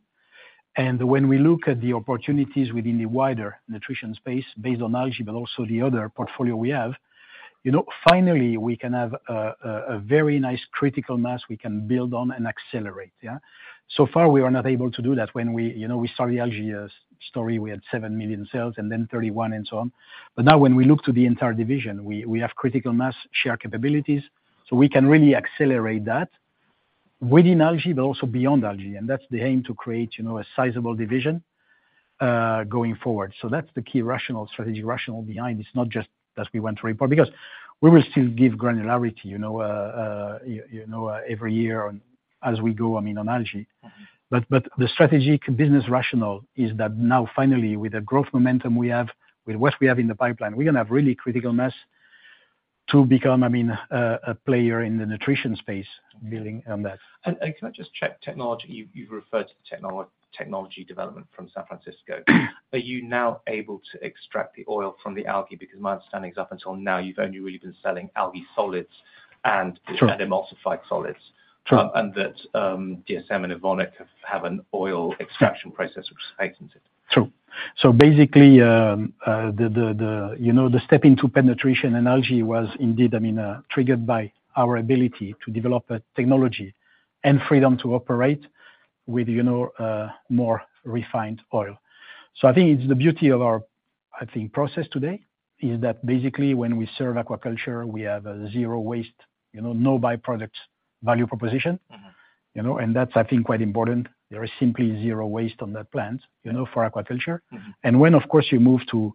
S3: And when we look at the opportunities within the wider nutrition space based on algae, but also the other portfolio we have, you know, finally, we can have a very nice critical mass we can build on and accelerate, yeah? So far, we are not able to do that. When we, you know, start the algae story, we had 7 million sales and then 31, and so on. But now when we look to the entire division, we have critical mass, share capabilities, so we can really accelerate that within algae, but also beyond algae. And that's the aim, to create, you know, a sizable division, going forward. So that's the key rationale, strategic rationale behind it. It's not just that we want to report, because we will still give granularity, you know, every year and as we go, I mean, on algae. But the strategic business rationale is that now finally, with the growth momentum we have, with what we have in the pipeline, we're gonna have really critical mass to become, I mean, a player in the nutrition space building on that.
S8: Can I just check technology? You've referred to technology development from San Francisco. Are you now able to extract the oil from the algae? Because my understanding is, up until now, you've only really been selling algae solids and-
S3: Sure.
S8: and emulsified solids.
S3: Sure.
S8: And that DSM and Evonik have an oil extraction process, which is patented.
S3: True. So basically, you know, the step into pet nutrition and algae was indeed, I mean, triggered by our ability to develop a technology and freedom to operate with, you know, more refined oil. So I think it's the beauty of our, I think, process today, is that basically when we serve aquaculture, we have a zero waste, you know, no by-products value proposition.
S8: Mm-hmm.
S3: You know, and that's, I think, quite important. There is simply zero waste on that plant, you know, for aquaculture.
S8: Mm-hmm.
S3: When, of course, you move to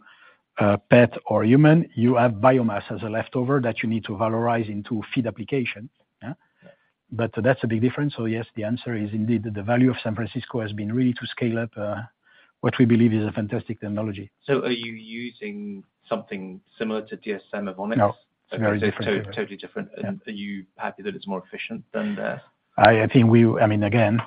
S3: pet or human, you have biomass as a leftover that you need to valorize into feed application. Yeah?
S8: Yeah.
S3: That's a big difference, so yes, the answer is indeed, the value of San Francisco has been really to scale up what we believe is a fantastic technology.
S8: Are you using something similar to DSM/Evonik's?
S3: No. It's very different.
S8: So totally different.
S3: Yeah.
S8: Are you happy that it's more efficient than theirs?
S3: I think—I mean, again,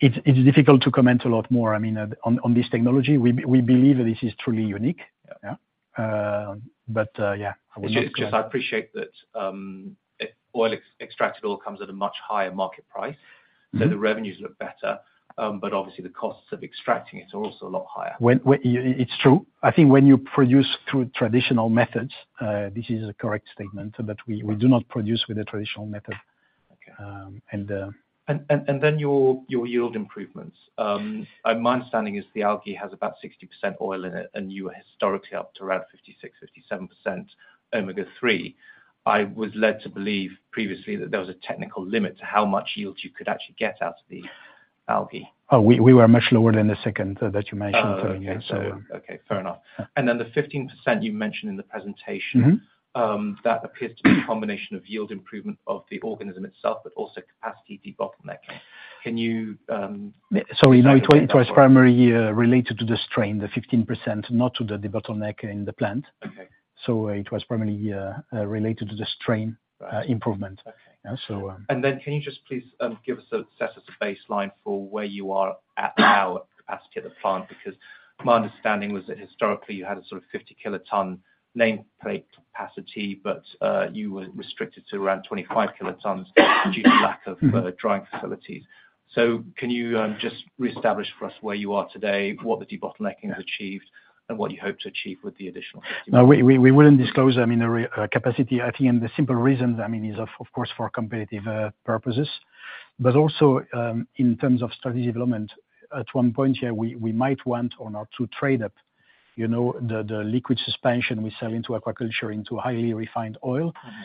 S3: it's difficult to comment a lot more, I mean, on this technology. We believe that this is truly unique.
S8: Yeah.
S3: Yeah. But yeah, I will not-
S8: It's just I appreciate that extracted oil comes at a much higher market price.
S3: Mm-hmm.
S8: The revenues look better, but obviously the costs of extracting it are also a lot higher.
S3: It's true. I think when you produce through traditional methods, this is a correct statement, but we, we do not produce with the traditional method.
S8: Okay.
S3: Um, and, uh-
S8: Then your yield improvements. My understanding is the algae has about 60% oil in it, and you were historically up to around 56%-57% omega-3. I was led to believe previously that there was a technical limit to how much yield you could actually get out of the algae.
S3: Oh, we were much lower than the second that you mentioned.
S8: Oh, okay.
S3: So...
S8: Okay, fair enough. And then the 15% you mentioned in the presentation-
S3: Mm-hmm.
S8: That appears to be a combination of yield improvement of the organism itself, but also capacity bottleneck. Can you-
S3: You know, it was, it was primarily related to the strain, the 15%, not to the bottleneck in the plant.
S8: Okay.
S3: So it was primarily related to the strain-
S8: Right.
S3: -uh, improvement.
S8: Okay.
S3: Yeah, so,
S8: Then can you just please give us a set us a baseline for where you are at now, capacity of the plant? Because my understanding was that historically you had a sort of 50 kiloton nameplate capacity, but you were restricted to around 25 kilotons due to lack of drying facilities. So can you just reestablish for us where you are today, what the bottlenecking has achieved, and what you hope to achieve with the additional?
S3: Now, we wouldn't disclose, I mean, our capacity, I think, and the simple reason, I mean, is, of course, for competitive purposes. But also, in terms of strategy development, at one point, yeah, we might want or not to trade up, you know, the liquid suspension we sell into aquaculture, into highly refined oil.
S8: Mm-hmm.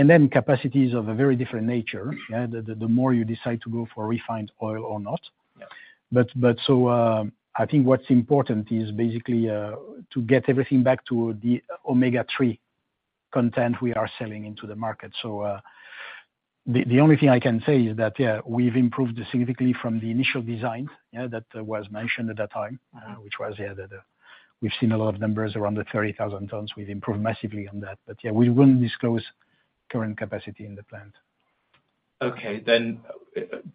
S3: and then capacities of a very different nature, yeah? The more you decide to go for refined oil or not.
S8: Yeah.
S3: So, I think what's important is basically to get everything back to the omega-3 content we are selling into the market. So, the only thing I can say is that, yeah, we've improved significantly from the initial design, yeah, that was mentioned at that time.
S8: Mm-hmm.
S3: We've seen a lot of numbers around the 30,000 tons. We've improved massively on that. But yeah, we won't disclose current capacity in the plant.
S8: Okay then,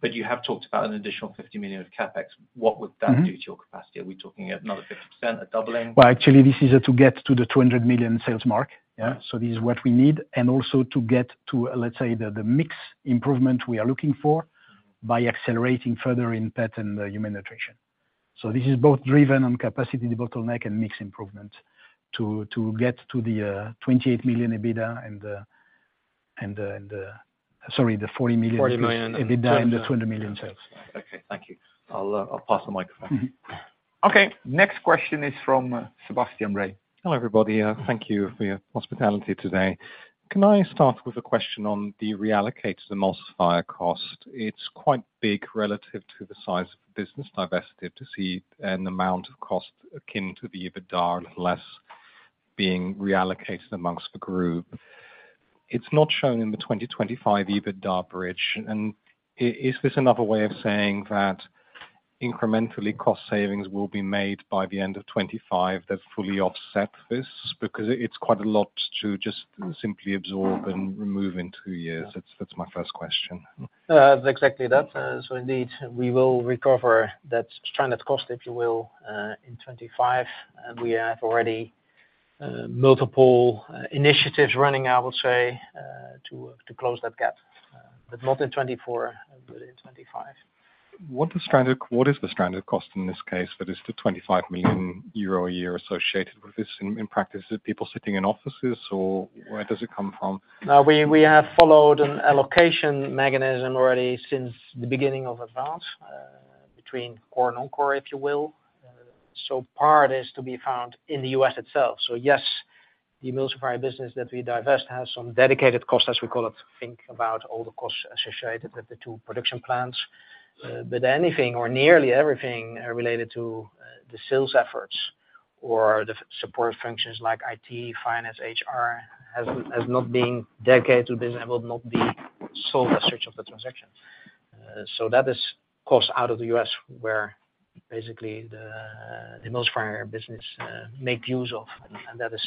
S8: but you have talked about an additional 50 million of CapEx. What would that-
S3: Mm-hmm...
S8: do to your capacity? Are we talking another 50%, a doubling?
S3: Well, actually, this is to get to the 200 million sales mark.
S8: Yeah.
S3: This is what we need, and also to get to, let's say, the mix improvement we are looking for-
S8: Mm-hmm...
S3: by accelerating further in pet and human nutrition. So this is both driven on capacity, the bottleneck, and mix improvement, to get to the 28 million EBITDA and, sorry, the 40 million-
S8: Forty million...
S3: EBITDA and the 200 million sales.
S8: Okay, thank you. I'll, I'll pass the microphone.
S3: Mm-hmm.
S2: Okay, next question is from Sebastian Bray.
S9: Hello, everybody, thank you for your hospitality today. Can I start with a question on the reallocated emulsifier cost? It's quite big relative to the size of the business divested, to see an amount of cost akin to the EBITDA, less being reallocated amongst the group. It's not shown in the 2025 EBITDA bridge, and is this another way of saying that incrementally cost savings will be made by the end of 2025, that fully offset this? Because it's quite a lot to just simply absorb and remove in two years. That's, that's my first question.
S4: Exactly that. So indeed, we will recover that stranded cost, if you will, in 2025, and we have already multiple initiatives running, I will say, to close that gap. But not in 2024, but in 2025.
S9: What is stranded, what is the stranded cost in this case that is the 25 million euro a year associated with this? In practice, is it people sitting in offices, or where does it come from?
S4: We have followed an allocation mechanism already since the beginning of Advance between core and non-core, if you will. So part is to be found in the U.S. itself. So yes, the emulsifier business that we divest has some dedicated costs, as we call it, think about all the costs associated with the two production plants. But anything or nearly everything related to the sales efforts or the support functions like IT, finance, HR has not been dedicated to the business and will not be sold as part of the transaction. So that is cost out of the U.S., where basically the emulsifier business make use of, and that is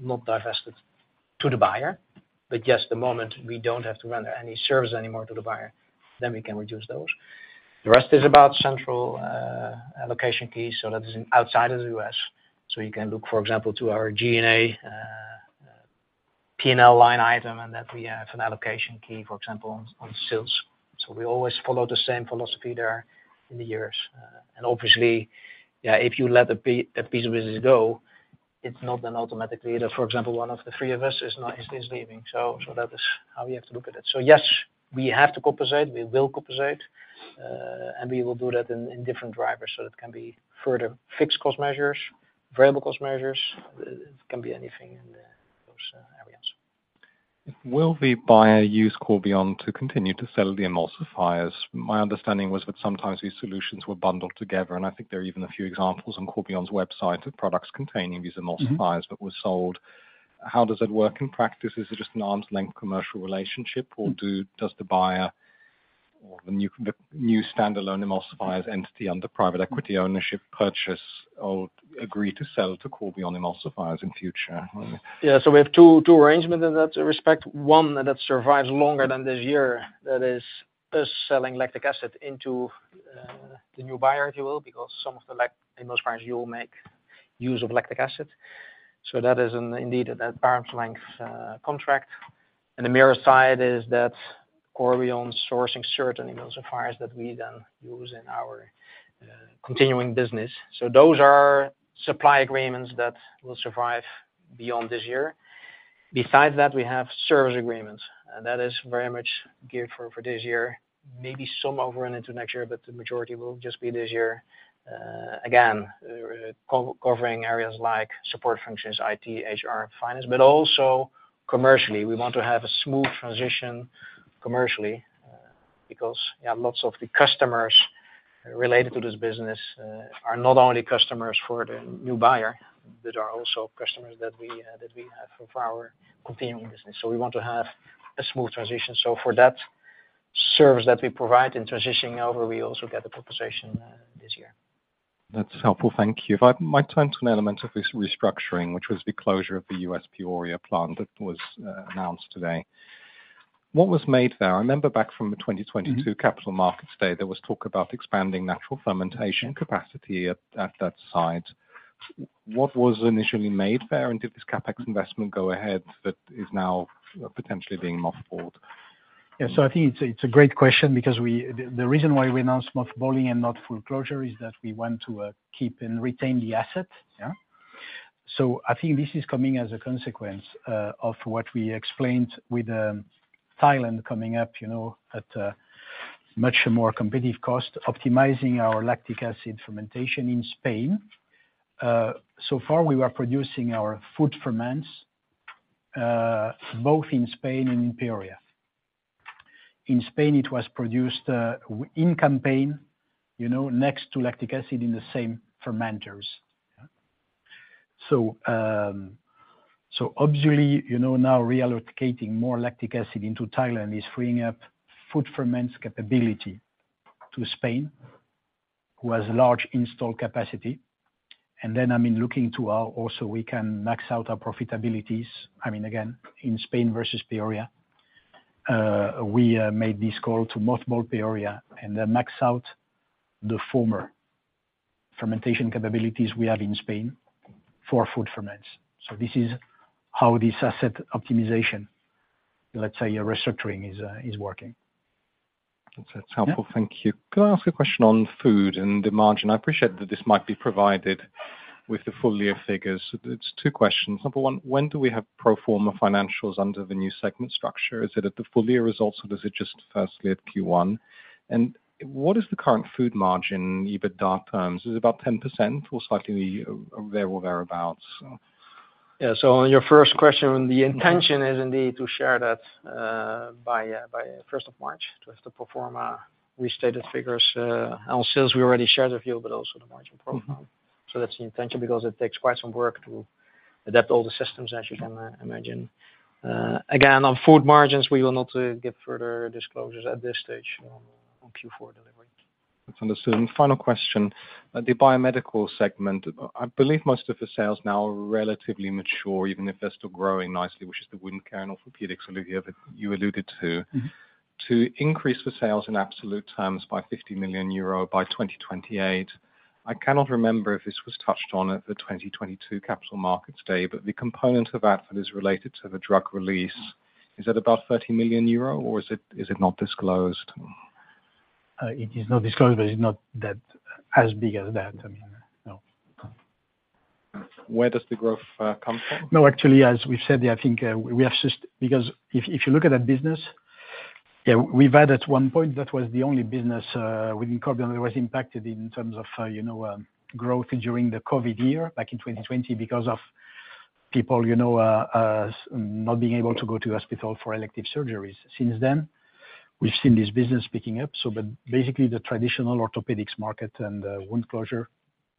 S4: not divested to the buyer. But yes, the moment we don't have to render any service anymore to the buyer, then we can reduce those. The rest is about central allocation key, so that is outside of the U.S. So you can look, for example, to our G&A, P&L line item, and that we have an allocation key, for example, on, on sales. So we always follow the same philosophy there in the years. And obviously, yeah, if you let a piece of business go, it's not then automatically that, for example, one of the three of us is not leaving. So that is how we have to look at it. So yes, we have to compensate, we will compensate, and we will do that in different drivers. So that can be further fixed cost measures, variable cost measures, it can be anything in those areas.
S9: Will the buyer use Corbion to continue to sell the emulsifiers? My understanding was that sometimes these solutions were bundled together, and I think there are even a few examples on Corbion's website of products containing these emulsifiers.
S4: Mm-hmm.
S9: -that were sold. How does that work in practice? Is it just an arm's length commercial relationship, or does the buyer or the new, the new standalone emulsifiers entity under private equity ownership purchase or agree to sell to Corbion emulsifiers in future?
S4: Yeah. So we have two arrangements in that respect. One that survives longer than this year, that is us selling lactic acid into the new buyer, if you will, because some of the emulsifiers you'll make use of lactic acid. So that is indeed at an arm's length contract. And the mirror side is that Corbion sourcing certain emulsifiers that we then use in our continuing business. So those are supply agreements that will survive beyond this year. Besides that, we have service agreements, and that is very much geared for this year, maybe some overrun into next year, but the majority will just be this year. Again, covering areas like support functions, IT, HR, finance, but also commercially, we want to have a smooth transition commercially, because, yeah, lots of the customers related to this business are not only customers for the new buyer, but are also customers that we, that we have for our continuing business. So we want to have a smooth transition. So for that service that we provide in transitioning over, we also get a compensation this year.
S9: That's helpful. Thank you. If I might turn to an element of this restructuring, which was the closure of the U.S. Peoria plant that was announced today. What was made there? I remember back from the 2022-
S4: Mm-hmm...
S9: Capital Markets Day, there was talk about expanding natural fermentation capacity at that site. What was initially made there, and did this CapEx investment go ahead that is now potentially being mothballed?
S3: Yeah. So I think it's a great question because the reason why we announced mothballing and not full closure is that we want to keep and retain the asset. Yeah? So I think this is coming as a consequence of what we explained with Thailand coming up, you know, at a much more competitive cost, optimizing our lactic acid fermentation in Spain. So far, we were producing our food ferments both in Spain and in Peoria. In Spain, it was produced in campaign, you know, next to lactic acid in the same fermenters. Yeah. So, so obviously, you know, now reallocating more lactic acid into Thailand is freeing up food ferments capability to Spain, who has large installed capacity. And then, I mean, looking to how also we can max out our profitabilities, I mean, again, in Spain versus Peoria, we made this call to mothball Peoria and then max out the former fermentation capabilities we have in Spain for food ferments. So this is how this asset optimization, let's say a restructuring, is working.
S9: That's helpful.
S3: Yeah.
S9: Thank you. Can I ask a question on food and the margin? I appreciate that this might be provided with the full year figures. It's two questions. Number one, when do we have pro forma financials under the new segment structure? Is it at the full year results, or is it just firstly at Q1? And what is the current food margin, EBITDA terms, is it about 10% or slightly there or thereabouts?
S4: Yeah. So on your first question, the intention is indeed to share that by first of March. To have the pro forma restated figures on sales we already shared with you, but also the margin pro forma.
S9: Mm-hmm.
S4: So that's the intention, because it takes quite some work to adapt all the systems, as you can imagine. Again, on food margins, we will not give further disclosures at this stage on Q4 delivery.
S9: That's understood. And final question, the biomedical segment, I believe most of the sales now are relatively mature, even if they're still growing nicely, which is the wound care and orthopedics you alluded to.
S4: Mm-hmm.
S9: To increase the sales in absolute terms by 50 million euro by 2028, I cannot remember if this was touched on at the 2022 Capital Markets Day, but the component of that is related to the drug release. Is that about 30 million euro, or is it, is it not disclosed?
S3: It is not disclosed, but it's not that, as big as that, I mean, no.
S9: Where does the growth come from?
S3: No, actually, as we said, I think, we have just. Because if, if you look at that business, yeah, we've had at one point, that was the only business within Corbion that was impacted in terms of, you know, growth during the COVID year, back in 2020, because of people, you know, not being able to go to hospital for elective surgeries. Since then, we've seen this business picking up, so but basically the traditional orthopedics market and the wound closure,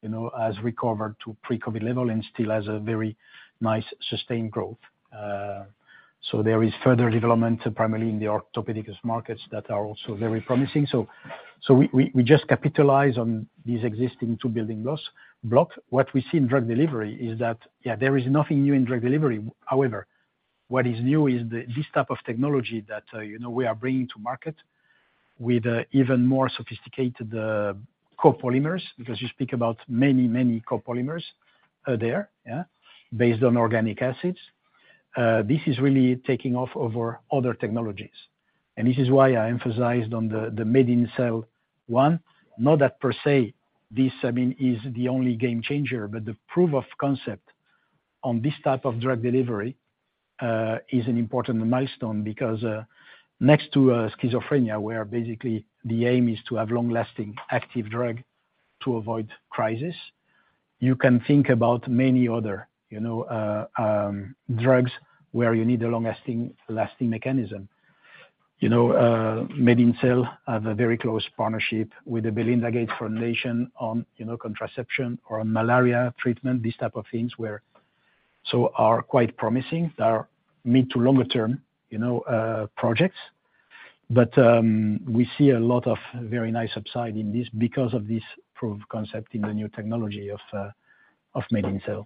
S3: you know, has recovered to pre-COVID level and still has a very nice sustained growth. So there is further development, primarily in the orthopedics markets, that are also very promising. So, we just capitalize on these existing two building blocks. What we see in drug delivery is that, yeah, there is nothing new in drug delivery. However, what is new is the, this type of technology that, you know, we are bringing to market with, even more sophisticated, copolymers, because you speak about many, many copolymers, there, yeah? Based on organic acids. This is really taking off over other technologies, and this is why I emphasized on the, the MedinCell one. Not that per se, this, I mean, is the only game changer, but the proof of concept on this type of drug delivery, is an important milestone because, next to, schizophrenia, where basically the aim is to have long-lasting active drug to avoid crisis, you can think about many other, you know, drugs where you need a long-lasting, lasting mechanism. You know, MedinCell have a very close partnership with the Bill & Melinda Gates Foundation on, you know, contraception or malaria treatment, these type of things, where so are quite promising. They are mid to longer term, you know, projects. But we see a lot of very nice upside in this because of this proof of concept in the new technology of of MedinCell.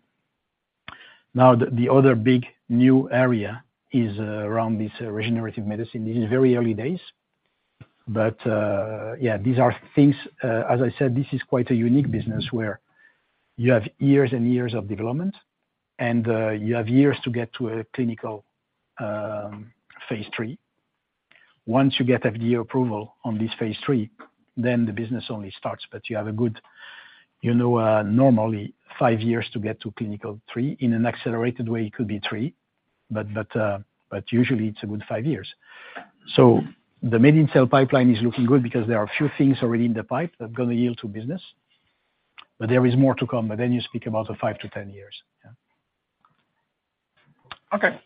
S3: Now, the other big new area is around this regenerative medicine. This is very early days, but yeah, these are things as I said, this is quite a unique business where you have years and years of development, and you have years to get to a clinical phase three. Once you get FDA approval on this phase III, then the business only starts, but you have a good, you know, normally five years to get to clinical three. In an accelerated way, it could be three, but, but, but usually it's a good five years. So the MedinCell pipeline is looking good because there are a few things already in the pipe that are gonna yield to business, but there is more to come. But then you speak about a 5-10 years, yeah.
S2: Okay.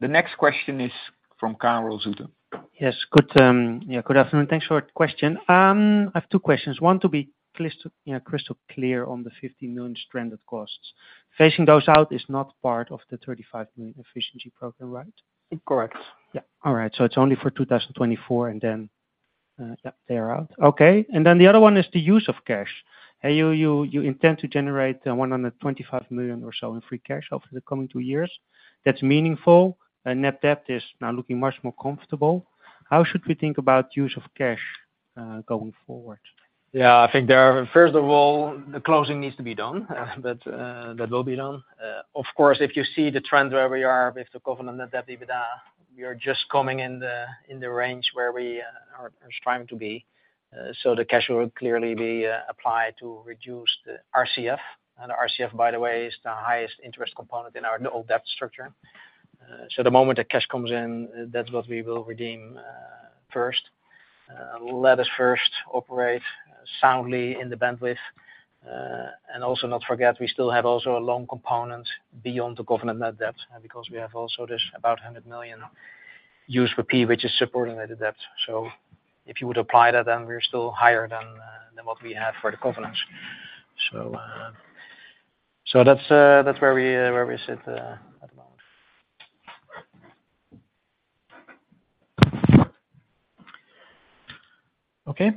S2: The next question is from Karel Zoete.
S10: Yes. Good afternoon. Thanks for question. I have two questions. One, to be crystal, you know, crystal clear on the 50 million stranded costs. Facing those out is not part of the 35 million efficiency program, right?
S4: Correct.
S10: Yeah. All right, so it's only for 2024, and then, yeah, they are out. Okay. And then the other one is the use of cash. And you, you, you intend to generate 125 million or so in free cash over the coming two years. That's meaningful, and net debt is now looking much more comfortable. How should we think about use of cash going forward?
S4: Yeah, I think there are. First of all, the closing needs to be done, but that will be done. Of course, if you see the trend where we are with the covenant net debt, EBITDA, we are just coming in the range where we are striving to be. So the cash will clearly be applied to reduce the RCF. And RCF, by the way, is the highest interest component in our, the old debt structure. So the moment the cash comes in, that's what we will redeem first. Let us first operate soundly in the bandwidth, and also not forget, we still have also a loan component beyond the covenant net debt. And because we have also this, about $100 million USPP, which is supporting the net debt. So if you would apply that, then we're still higher than what we have for the covenants. So that's where we sit at the moment.
S3: Okay.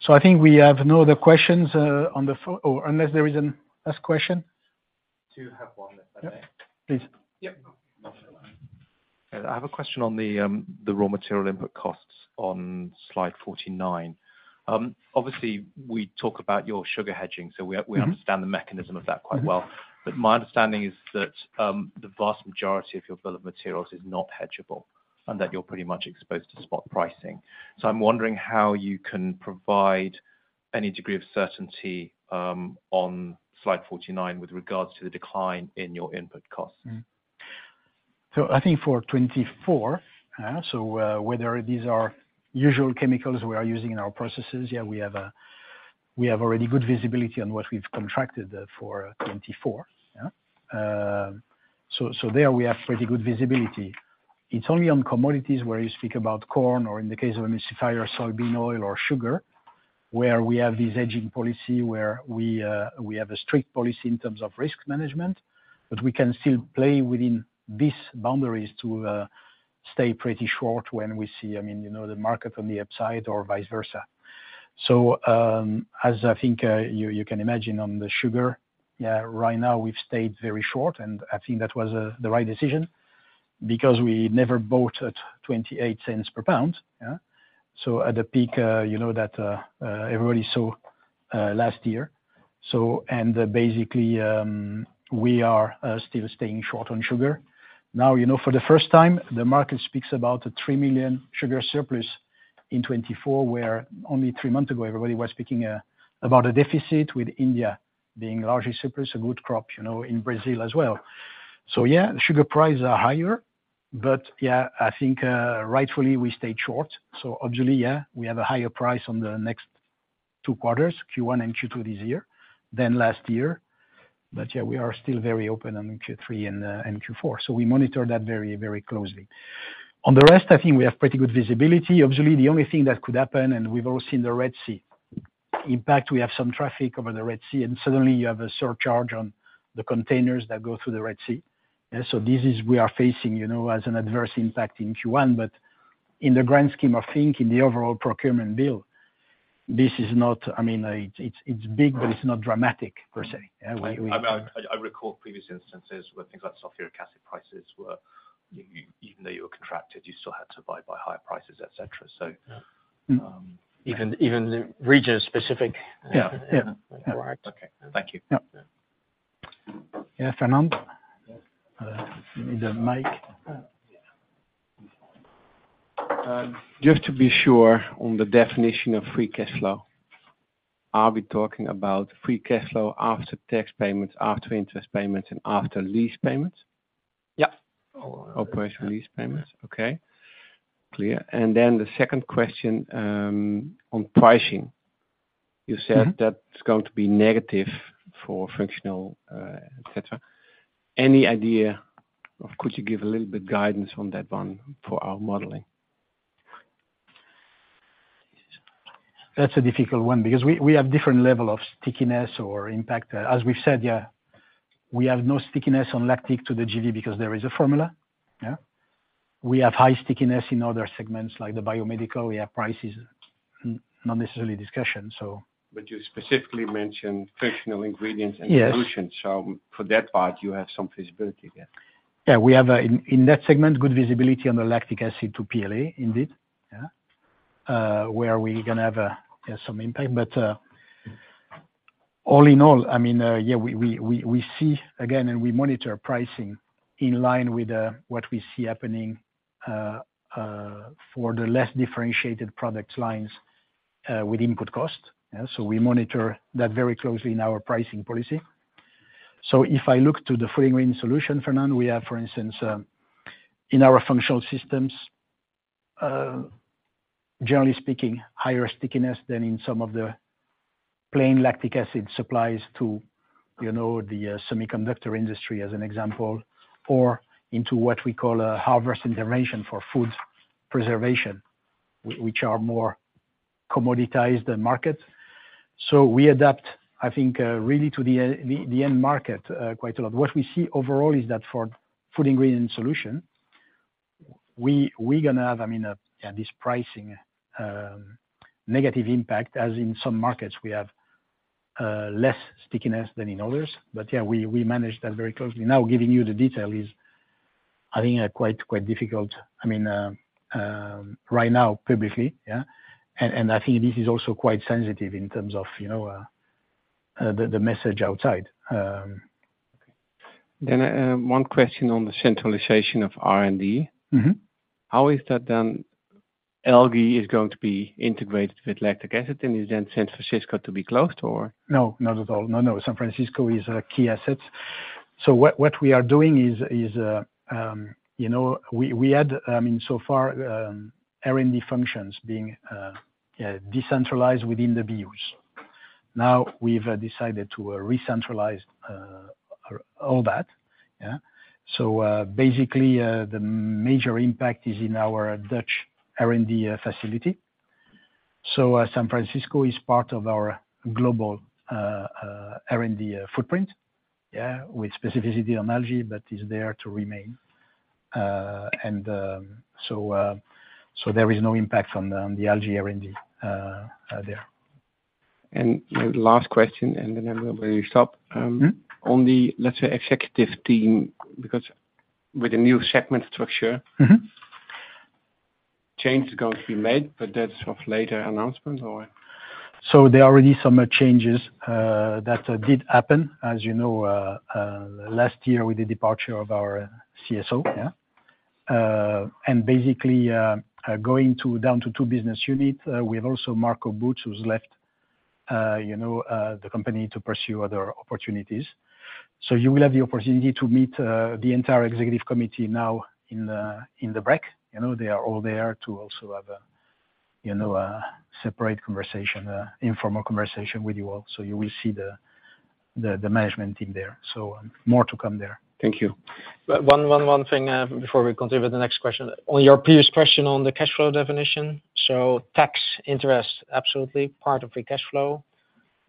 S3: So I think we have no other questions. Oh, unless there is a last question.
S8: Do you have one, if I may?
S3: Please.
S8: Yep. I have a question on the raw material input costs on slide 49. Obviously, we talk about your sugar hedging, so we-
S3: Mm-hmm.
S8: We understand the mechanism of that quite well.
S3: Mm-hmm.
S8: But my understanding is that, the vast majority of your bill of materials is not hedgeable, and that you're pretty much exposed to spot pricing. So I'm wondering how you can provide any degree of certainty, on slide 49 with regards to the decline in your input costs?
S3: Mm-hmm. So I think for 2024, so, whether these are usual chemicals we are using in our processes, yeah, we have we have already good visibility on what we've contracted for 2024. Yeah. So, so there, we have pretty good visibility. It's only on commodities where you speak about corn or in the case of emulsifier, soybean oil or sugar, where we have this hedging policy, where we, we have a strict policy in terms of risk management, but we can still play within these boundaries to, stay pretty short when we see, I mean, you know, the market on the upside or vice versa. So, as I think, you, you can imagine on the sugar, yeah, right now we've stayed very short, and I think that was, the right decision because we never bought at $0.28 per pound. Yeah. So at the peak, you know, that everybody saw last year, so and basically we are still staying short on sugar. Now, you know, for the first time, the market speaks about a three million sugar surplus in 2024, where only three months ago everybody was speaking about a deficit, with India being largely surplus, a good crop, you know, in Brazil as well. So yeah, the sugar prices are higher, but yeah, I think rightfully we stayed short. So obviously, yeah, we have a higher price on the next two quarters, Q1 and Q2 this year than last year. But yeah, we are still very open on Q3 and and Q4, so we monitor that very, very closely. On the rest, I think we have pretty good visibility. Obviously, the only thing that could happen, and we've all seen the Red Sea impact, we have some traffic over the Red Sea, and suddenly you have a surcharge on the containers that go through the Red Sea. Yeah, so this is, we are facing, you know, as an adverse impact in Q1, but in the grand scheme of things, in the overall procurement bill, this is not—I mean, it's, it's big, but it's not dramatic, per se. Yeah, we-
S8: I recall previous instances where things like sulfuric acid prices were, even though you were contracted, you still had to buy higher prices, et cetera. So,
S3: Yeah.
S8: Um.
S3: Even, even the region-specific.
S8: Yeah, yeah.
S3: Right.
S8: Okay. Thank you.
S3: Yeah.
S6: Yeah.
S3: Yeah, Fernand? You need a mic.
S6: Yeah. Just to be sure on the definition of Free Cash Flow, are we talking about Free Cash Flow after tax payments, after interest payments, and after lease payments?
S3: Yeah.
S6: Operating lease payments, okay. Clear, and then the second question, on pricing.
S3: Mm-hmm.
S6: You said that it's going to be negative for functional, et cetera. Any idea, or could you give a little bit guidance on that one for our modeling?
S3: That's a difficult one because we, we have different level of stickiness or impact, as we've said, yeah, we have no stickiness on lactic to the GV because there is a formula. We have high stickiness in other segments, like the biomedical. We have prices, not necessarily discussion, so.
S6: But you specifically mentioned functional ingredients-
S3: Yes...
S6: and solutions. For that part, you have some visibility there.
S3: Yeah, we have in that segment good visibility on the lactic acid to PLA, indeed. Yeah. Where we're gonna have some impact. But all in all, I mean, yeah, we see again, and we monitor pricing in line with what we see happening for the less differentiated product lines with input costs. Yeah, so we monitor that very closely in our pricing policy. So if I look to the food ingredient solution, Fernand, we have, for instance, in our functional systems, generally speaking, higher stickiness than in some of the plain lactic acid supplies to, you know, the semiconductor industry, as an example, or into what we call a harvest intervention for food preservation, which are more commoditized the market. So we adapt, I think, really to the end market quite a lot. What we see overall is that for food ingredient solution, we're gonna have, I mean, this pricing negative impact, as in some markets we have less stickiness than in others. But yeah, we manage that very closely. Now, giving you the detail is, I think, quite difficult. I mean, right now, publicly, I think this is also quite sensitive in terms of, you know, the message outside.
S6: One question on the centralization of R&D.
S3: Mm-hmm.
S6: How is that then algae is going to be integrated with lactic acid, and is then San Francisco to be closed, or?
S3: No, not at all. No, no. San Francisco is a key asset. So what we are doing is, you know, we had, I mean, so far, R&D functions being decentralized within the BUs. Now, we've decided to recentralize all that, yeah. So, basically, the major impact is in our Dutch R&D facility. So, San Francisco is part of our global R&D footprint, yeah, with specificity on algae, but is there to remain. And so there is no impact on the algae R&D there.
S6: Last question, and then I will stop.
S3: Mm-hmm.
S6: On the, let's say, executive team, because with the new segment structure-
S3: Mm-hmm...
S6: change is going to be made, but that's of later announcement or?
S3: So there are already some changes that did happen. As you know, last year with the departure of our CSO, yeah, and basically going down to two business units. We have also Marco Bootz, who's left, you know, the company to pursue other opportunities. So you will have the opportunity to meet the entire executive committee now in the break. You know, they are all there to also have a, you know, a separate conversation, informal conversation with you all. So you will see the management team there. So, more to come there.
S6: Thank you.
S4: One thing, before we continue with the next question. On your previous question, on the cash flow definition, so tax interest, absolutely part of free cash flow,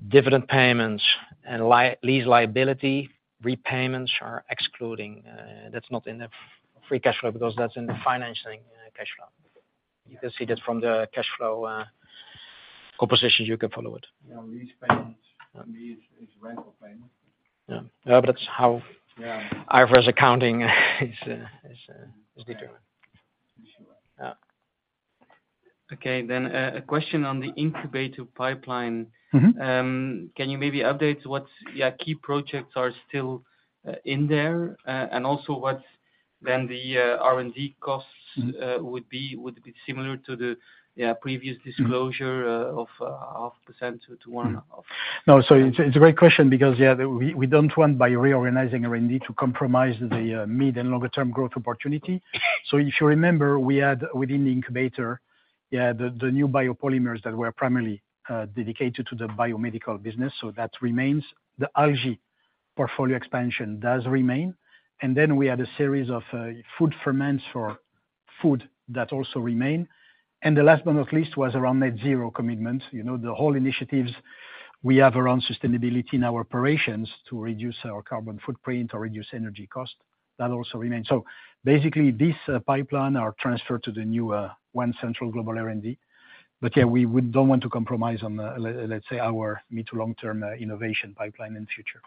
S4: dividend payments and lease liability, repayments are excluding, that's not in the free cash flow, because that's in the financing cash flow. You can see that from the cash flow composition, you can follow it.
S6: Yeah, lease payments means is rental payment.
S4: Yeah. Yeah, but that's how-
S6: Yeah...
S4: IFRS accounting is determined.
S6: Sure.
S4: Yeah.
S7: Okay, then, a question on the incubator pipeline.
S3: Mm-hmm.
S7: Can you maybe update what, yeah, key projects are still in there? And also what then the R&D costs,
S3: Mm.
S7: Would be? Would it be similar to the, yeah, previous disclosure-
S3: Mm...
S7: of 0.5% to 1% of?
S3: No, so it's a great question because, yeah, we don't want by reorganizing R&D to compromise the mid and longer term growth opportunity. So if you remember, we had within the incubator, yeah, the new biopolymers that were primarily dedicated to the biomedical business, so that remains. The algae portfolio expansion does remain, and then we had a series of food ferments that also remain. And the last but not least, was around net zero commitment. You know, the whole initiatives we have around sustainability in our operations to reduce our carbon footprint or reduce energy cost, that also remains. So basically, this pipeline are transferred to the new one central global R&D. But, yeah, we don't want to compromise on the, let's say, our mid to long-term innovation pipeline in future.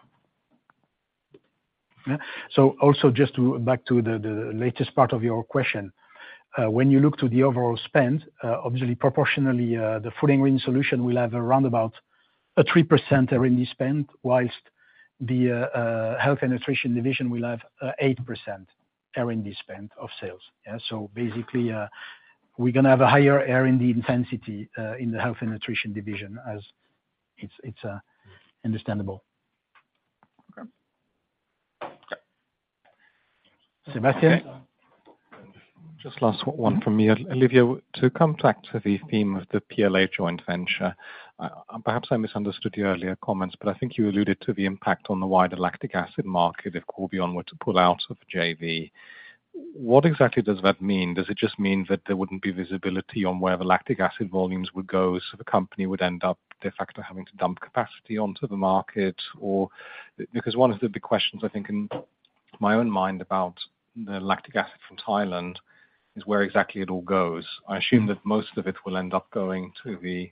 S3: Yeah. So also, just to back to the latest part of your question, when you look to the overall spend, obviously, proportionally, the Food and Ingredient Solution will have around about a 3% R&D spend, while the Health and Nutrition division will have 8% R&D spend of sales. Yeah, so basically, we're gonna have a higher R&D intensity in the health and nutrition division as it's understandable. Okay. Sebastian?
S9: Just last one from me. Olivier, to come back to the theme of the PLA joint venture, perhaps I misunderstood your earlier comments, but I think you alluded to the impact on the wider lactic acid market if Corbion were to pull out of JV. What exactly does that mean? Does it just mean that there wouldn't be visibility on where the lactic acid volumes would go, so the company would end up de facto having to dump capacity onto the market? Or, because one of the big questions, I think, in my own mind about the lactic acid from Thailand, is where exactly it all goes. I assume that most of it will end up going to the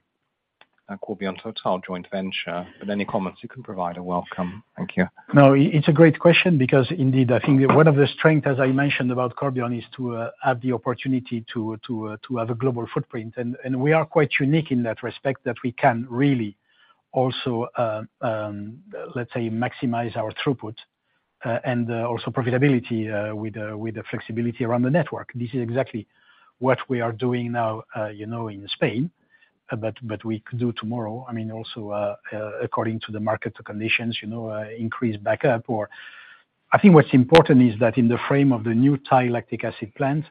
S9: Corbion Total joint venture, but any comments you can provide are welcome. Thank you.
S3: No, it's a great question because indeed, I think one of the strength, as I mentioned about Corbion, is to have the opportunity to have a global footprint. And we are quite unique in that respect, that we can really also, let's say, maximize our throughput and also profitability with the flexibility around the network. This is exactly what we are doing now, you know, in Spain, but we could do tomorrow, I mean, also, according to the market conditions, you know, increase back up or... I think what's important is that in the frame of the new Thai lactic acid plant,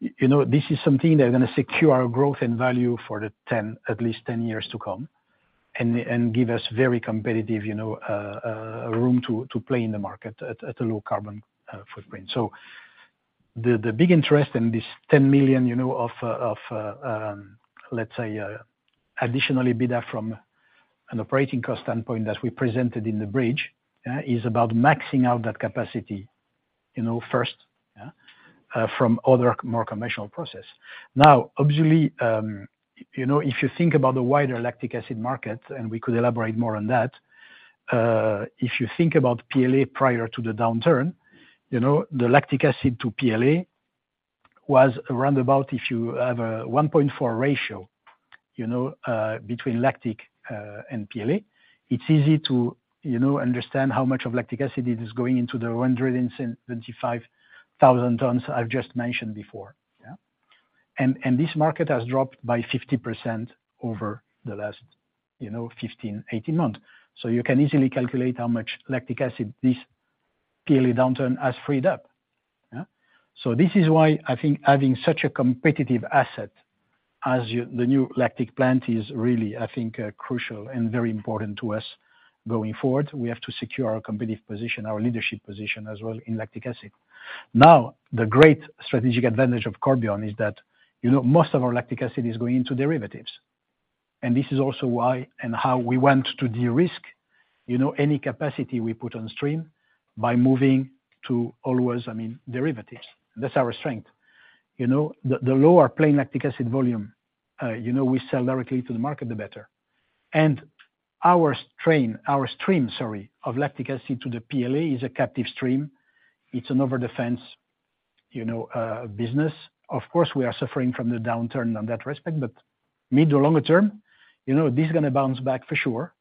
S3: you know, this is something that are gonna secure our growth and value for the 10, at least 10 years to come, and, and give us very competitive, you know, room to, to play in the market at, at a low carbon footprint. So the, the big interest in this 10 million, you know, of, of, let's say, additionally, be that from an operating cost standpoint that we presented in the bridge is about maxing out that capacity, you know, first, yeah, from other more conventional process. Now, obviously, you know, if you think about the wider lactic acid market, and we could elaborate more on that, if you think about PLA prior to the downturn, you know, the lactic acid to PLA was around about if you have a 1.4 ratio, you know, between lactic and PLA, it's easy to, you know, understand how much of lactic acid is going into the 175,000 tons I've just mentioned before, yeah. And this market has dropped by 50% over the last, you know, 15-18 months. So you can easily calculate how much lactic acid this PLA downturn has freed up. Yeah. So this is why I think having such a competitive asset as the new lactic plant is really, I think, crucial and very important to us going forward. We have to secure our competitive position, our leadership position as well in lactic acid. Now, the great strategic advantage of Corbion is that, you know, most of our lactic acid is going into derivatives, and this is also why and how we want to de-risk, you know, any capacity we put on stream by moving to always, I mean, derivatives. That's our strength. You know, the lower plain lactic acid volume, you know, we sell directly to the market, the better. And our strain, our stream, sorry, of lactic acid to the PLA is a captive stream. It's an overdefense, you know, business. Of course, we are suffering from the downturn on that respect, but mid to longer term, you know, this is gonna bounce back for sure.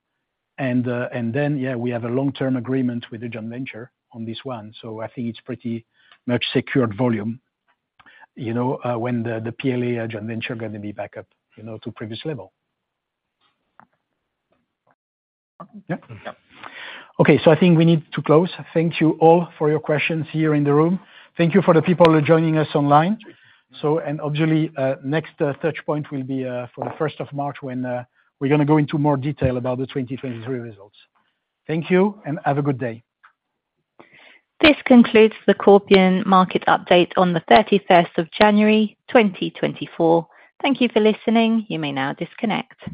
S3: And, and then, yeah, we have a long-term agreement with the joint venture on this one, so I think it's pretty much secured volume, you know, when the PLA joint venture are gonna be back up, you know, to previous level.
S2: Yep. Okay, so I think we need to close. Thank you all for your questions here in the room. Thank you for the people who are joining us online. So, and obviously, next touchpoint will be for the first of March, when we're gonna go into more detail about the 2023 results. Thank you, and have a good day.
S1: This concludes the Corbion market update on the 31st of January, 2024. Thank you for listening. You may now disconnect.